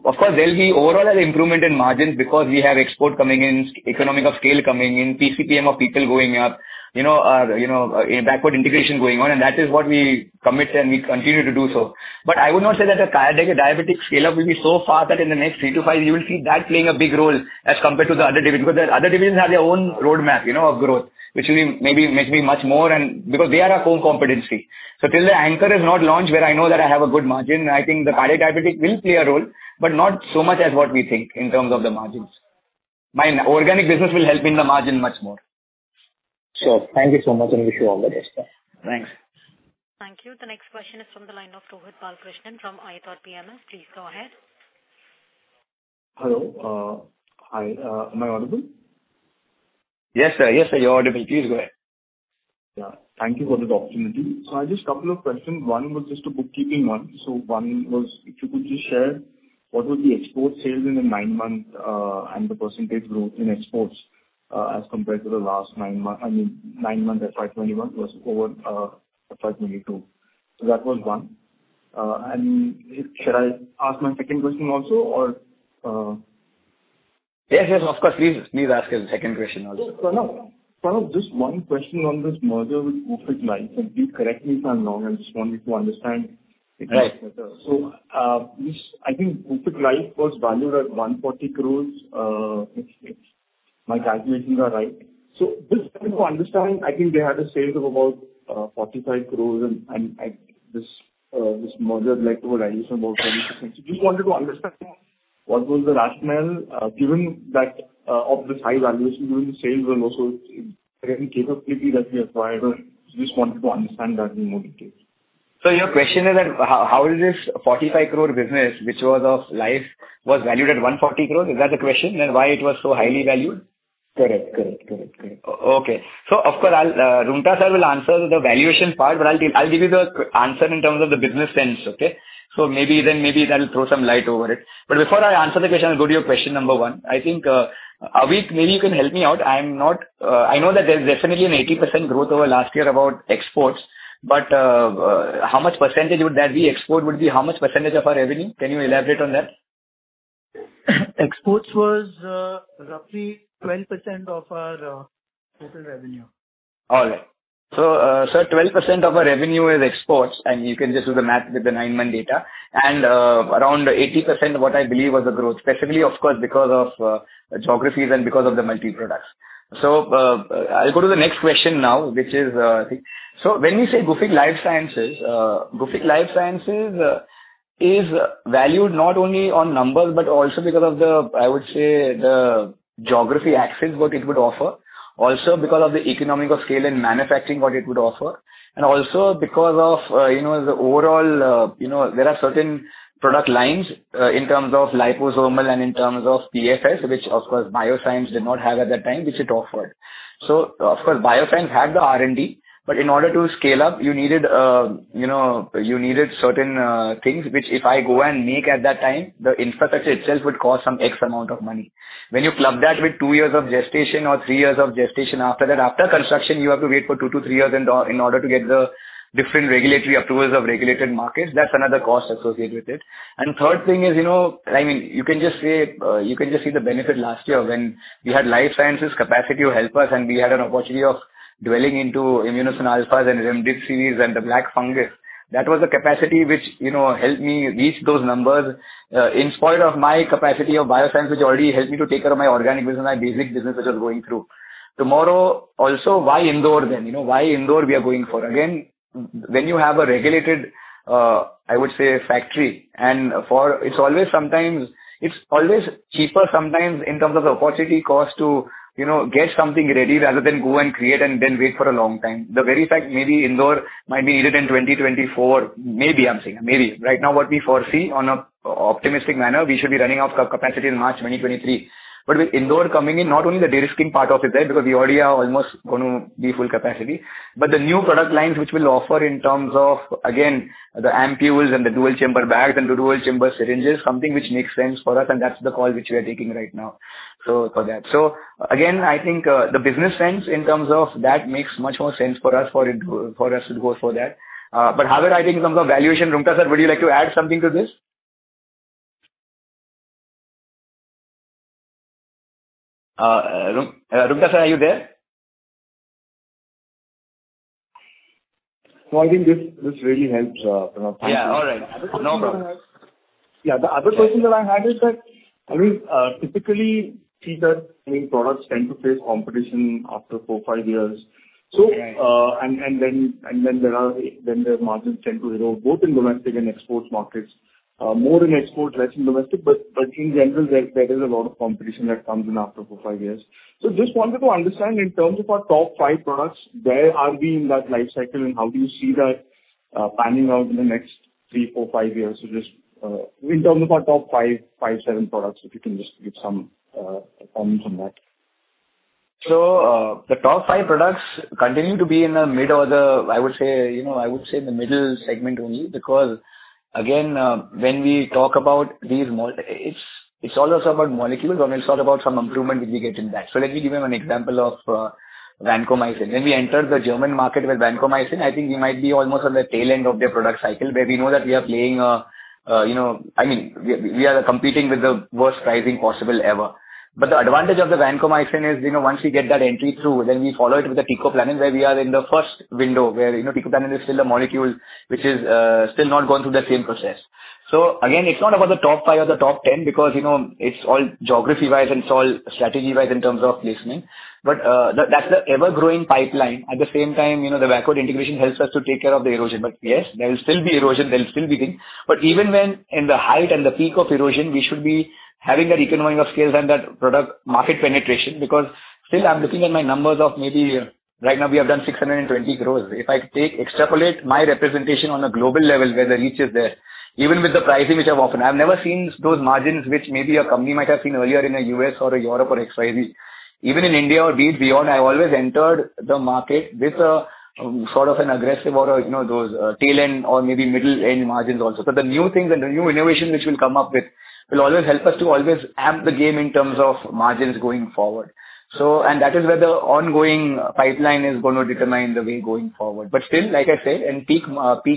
course there'll be overall an improvement in margins because we have export coming in, economies of scale coming in, PCPM of people going up, you know, backward integration going on. That is what we commit and we continue to do so. I would not say that a cardio-diabetic scale-up will be so fast that in the next 3-5 you will see that playing a big role as compared to the other divisions. Because the other divisions have their own roadmap, you know, of growth, which will be maybe much more and because they are our core competency. Till the anchor is not launched, where I know that I have a good margin, I think the cardio-diabetic will play a role, but not so much as what we think in terms of the margins. My organic business will help in the margin much more. Sure. Thank you so much, and I wish you all the best. Thanks. Thank you. The next question is from the line of Rohit Balakrishnan from iThought PMS. Please go ahead. Hello. Hi, am I audible? Yes, sir. Yes, sir, you're audible. Please go ahead. Yeah. Thank you for the opportunity. I just a couple of questions. One was just a bookkeeping one. One was if you could just share what was the export sales in the 9 months, and the percentage growth in exports, as compared to the last 9 months. I mean, 9 months FY 2021 versus FY 2022. That was one. And should I ask my second question also, or- Yes, yes, of course. Please, please ask your second question also. Pranav, just one question on this merger with Gufic Life Sciences, and please correct me if I'm wrong. I just want to understand it much better. Right. This, I think, Gufic Life Sciences was valued at 140 crores, if my calculations are right. Just to understand, I think they had sales of about 45 crores and at this merger led to a valuation of about 70%. Just wanted to understand what was the rationale, given that of this high valuation during the sales and also any capability that we acquired. I just wanted to understand that in more detail. Your question is that how is this 45 crore business which was of Life was valued at 140 crore? Is that the question? Why it was so highly valued? Correct. Okay. Of course I'll, Roonghta sir will answer the valuation part, but I'll give you the answer in terms of the business sense. Okay? Maybe that'll throw some light over it. Before I answer the question, I'll go to your question number one. I think, Avik, maybe you can help me out. I know that there's definitely an 80% growth over last year about exports, but how much percentage would that re-export be, how much percentage of our revenue? Can you elaborate on that? Exports was roughly 12% of our total revenue. All right. Twelve percent of our revenue is exports, and you can just do the math with the 9-month data. Around 80% what I believe was the growth, specifically of course, because of geographies and because of the multi products. I'll go to the next question now, which is, when we say Gufic Life Sciences, Gufic Life Sciences is valued not only on numbers but also because of the, I would say, the geography access what it would offer. Also because of the economies of scale and manufacturing what it would offer. Also because of, you know, the overall, you know, there are certain product lines, in terms of liposomal and in terms of PFS, which of course Biozyme did not have at that time, which it offered. Of course, Biozyme had the R&D, but in order to scale up, you needed, you know, certain things which if I go and make at that time, the infrastructure itself would cost some X amount of money. When you club that with two years of gestation or three years of gestation after that, after construction, you have to wait for two to three years in order to get the different regulatory approvals of regulated markets. That's another cost associated with it. Third thing is, you know, I mean, you can just see the benefit last year when we had Life Sciences capacity to help us and we had an opportunity of delving into immunosuppressants, alphas and remdesivir and the black fungus. That was a capacity which, you know, helped me reach those numbers in spite of my capacity of Biozyme, which already helped me to take care of my organic business and my basic business which was going through. Tomorrow also, why Indore then? You know, why Indore we are going for? Again, when you have a regulated factory, I would say. It's always cheaper sometimes in terms of opportunity cost to, you know, get something ready rather than go and create and then wait for a long time. The very fact maybe Indore might be needed in 2024, maybe I'm saying. Maybe. Right now, what we foresee in an optimistic manner, we should be running out of capacity in March 2023. With Indore coming in, not only the de-risking part of it there, because we already are almost gonna be full capacity. The new product lines which we'll offer in terms of, again, the ampoules and the dual chamber bags and the dual chamber syringes, something which makes sense for us, and that's the call which we are taking right now. For that. Again, I think, the business sense in terms of that makes much more sense for us, for it, for us to go for that. However, I think in terms of valuation, Roonghta, sir, would you like to add something to this? Roonghta, sir, are you there? I think this really helps, Pranav. Yeah. All right. No problem. Yeah. The other question that I had is that, I mean, typically see that new products tend to face competition after 4-5 years. Right. The margins tend to erode both in domestic and exports markets. More in exports, less in domestic. In general, there is a lot of competition that comes in after 4-5 years. Just wanted to understand in terms of our top 5 products, where are we in that life cycle and how do you see that panning out in the next 3, 4, 5 years? Just in terms of our top 5-7 products, if you can just give some comment on that. The top five products continue to be in the mid or the, I would say, you know, I would say in the middle segment only because again, when we talk about these. It's, it's all also about molecules, but we'll talk about some improvement which we get in that. Let me give you an example of vancomycin. When we entered the German market with vancomycin, I think we might be almost on the tail end of their product cycle, where we know that we are playing a, you know. I mean, we are competing with the worst pricing possible ever. The advantage of the vancomycin is, you know, once we get that entry through, then we follow it with the teicoplanin, where we are in the first window where, you know, teicoplanin is still a molecule which is, still not gone through that same process. Again, it's not about the top five or the top ten because, you know, it's all geography-wise and it's all strategy-wise in terms of placement. That's the ever-growing pipeline. At the same time, you know, the backward integration helps us to take care of the erosion. Yes, there will still be erosion, there will still be things. Even when in the height and the peak of erosion, we should be having that economies of scale and that product market penetration. Still I'm looking at my numbers of maybe right now we have done 620 crore. If I take extrapolate my representation on a global level where the reach is there, even with the pricing which I've offered, I've never seen those margins which maybe a company might have seen earlier in a U.S. or a Europe or XYZ. Even in India or be it beyond, I've always entered the market with a sort of an aggressive or, you know, those tail end or maybe middle end margins also. But the new things and the new innovation which we'll come up with will always help us to always amp the game in terms of margins going forward. And that is where the ongoing pipeline is gonna determine the way going forward. Still, like I say, in peak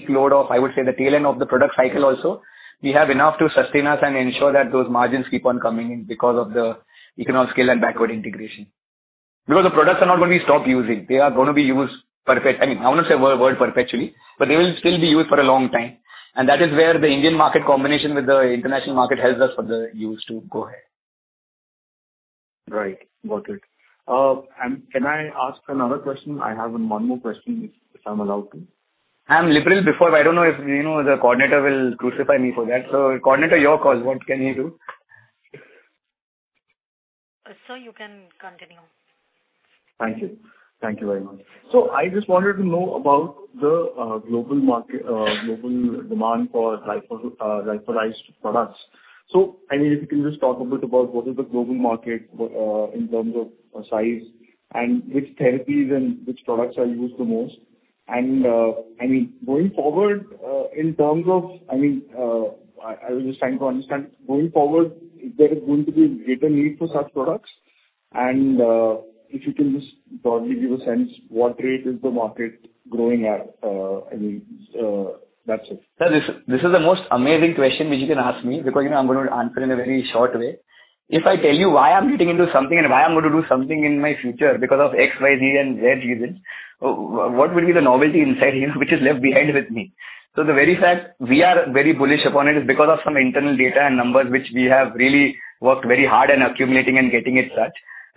load of, I would say, the tail end of the product cycle also, we have enough to sustain us and ensure that those margins keep on coming in because of the economies of scale and backward integration. The products are not gonna be stopped using. They are gonna be used. I mean, I wouldn't say word perpetually, but they will still be used for a long time. That is where the Indian market combination with the international market helps us for the use to go ahead. Right. Got it. Can I ask another question? I have one more question, if I'm allowed to. I'm a little before. I don't know if, you know, the coordinator will crucify me for that. Coordinator, your call. What can you do? Sir, you can continue. Thank you. Thank you very much. I just wanted to know about the global market, global demand for lyophilized products. I mean, if you can just talk a bit about what is the global market in terms of size and which therapies and which products are used the most. I mean, going forward, I was just trying to understand, going forward, if there is going to be greater need for such products, and if you can just broadly give a sense what rate is the market growing at. I mean, that's it. Sir, this is the most amazing question which you can ask me because, you know, I'm gonna answer in a very short way. If I tell you why I'm getting into something and why I'm going to do something in my future because of XYZ and Z reasons, what would be the novelty inside here which is left behind with me? The very fact we are very bullish upon it is because of some internal data and numbers which we have really worked very hard in accumulating and getting it such.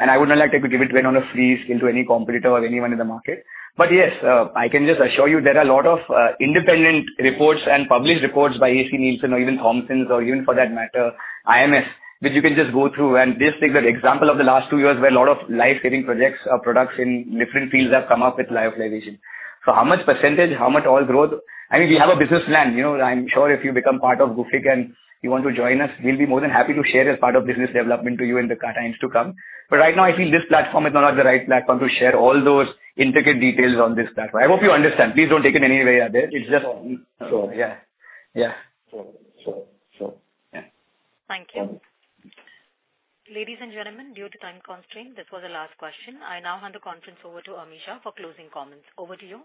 I would not like to give it away on a free scale to any competitor or anyone in the market. Yes, I can just assure you there are a lot of independent reports and published reports by ACNielsen or even Thomson Reuters or even for that matter, IMS, which you can just go through. Just take that example of the last two years where a lot of life-saving projects, products in different fields have come up with lyophilization. So how much percentage, how much all growth? I mean, we have a business plan. You know, I'm sure if you become part of Gufic and you want to join us, we'll be more than happy to share as part of business development to you in the times to come. Right now, I feel this platform is not the right platform to share all those intricate details on this platform. I hope you understand. Please don't take it any way, Rohit. It's just- Sure. Yeah. Yeah. Sure. Yeah. Thank you. Ladies and gentlemen, due to time constraint, this was the last question. I now hand the conference over to Ami Shah for closing comments. Over to you.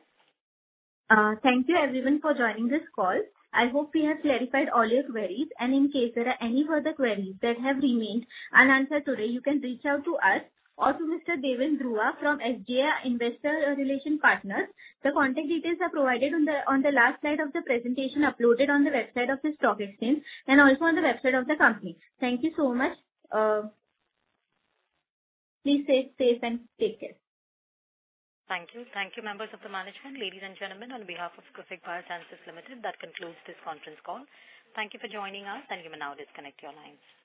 Thank you everyone for joining this call. I hope we have clarified all your queries. In case there are any further queries that have remained unanswered today, you can reach out to us or to Mr. Deven Dhruva from SJA Investor Relation Partners. The contact details are provided on the last slide of the presentation uploaded on the website of the stock exchange and also on the website of the company. Thank you so much. Please stay safe and take care. Thank you. Thank you, members of the management. Ladies and gentlemen, on behalf of Gufic Biosciences Limited, that concludes this conference call. Thank you for joining us, and you may now disconnect your lines.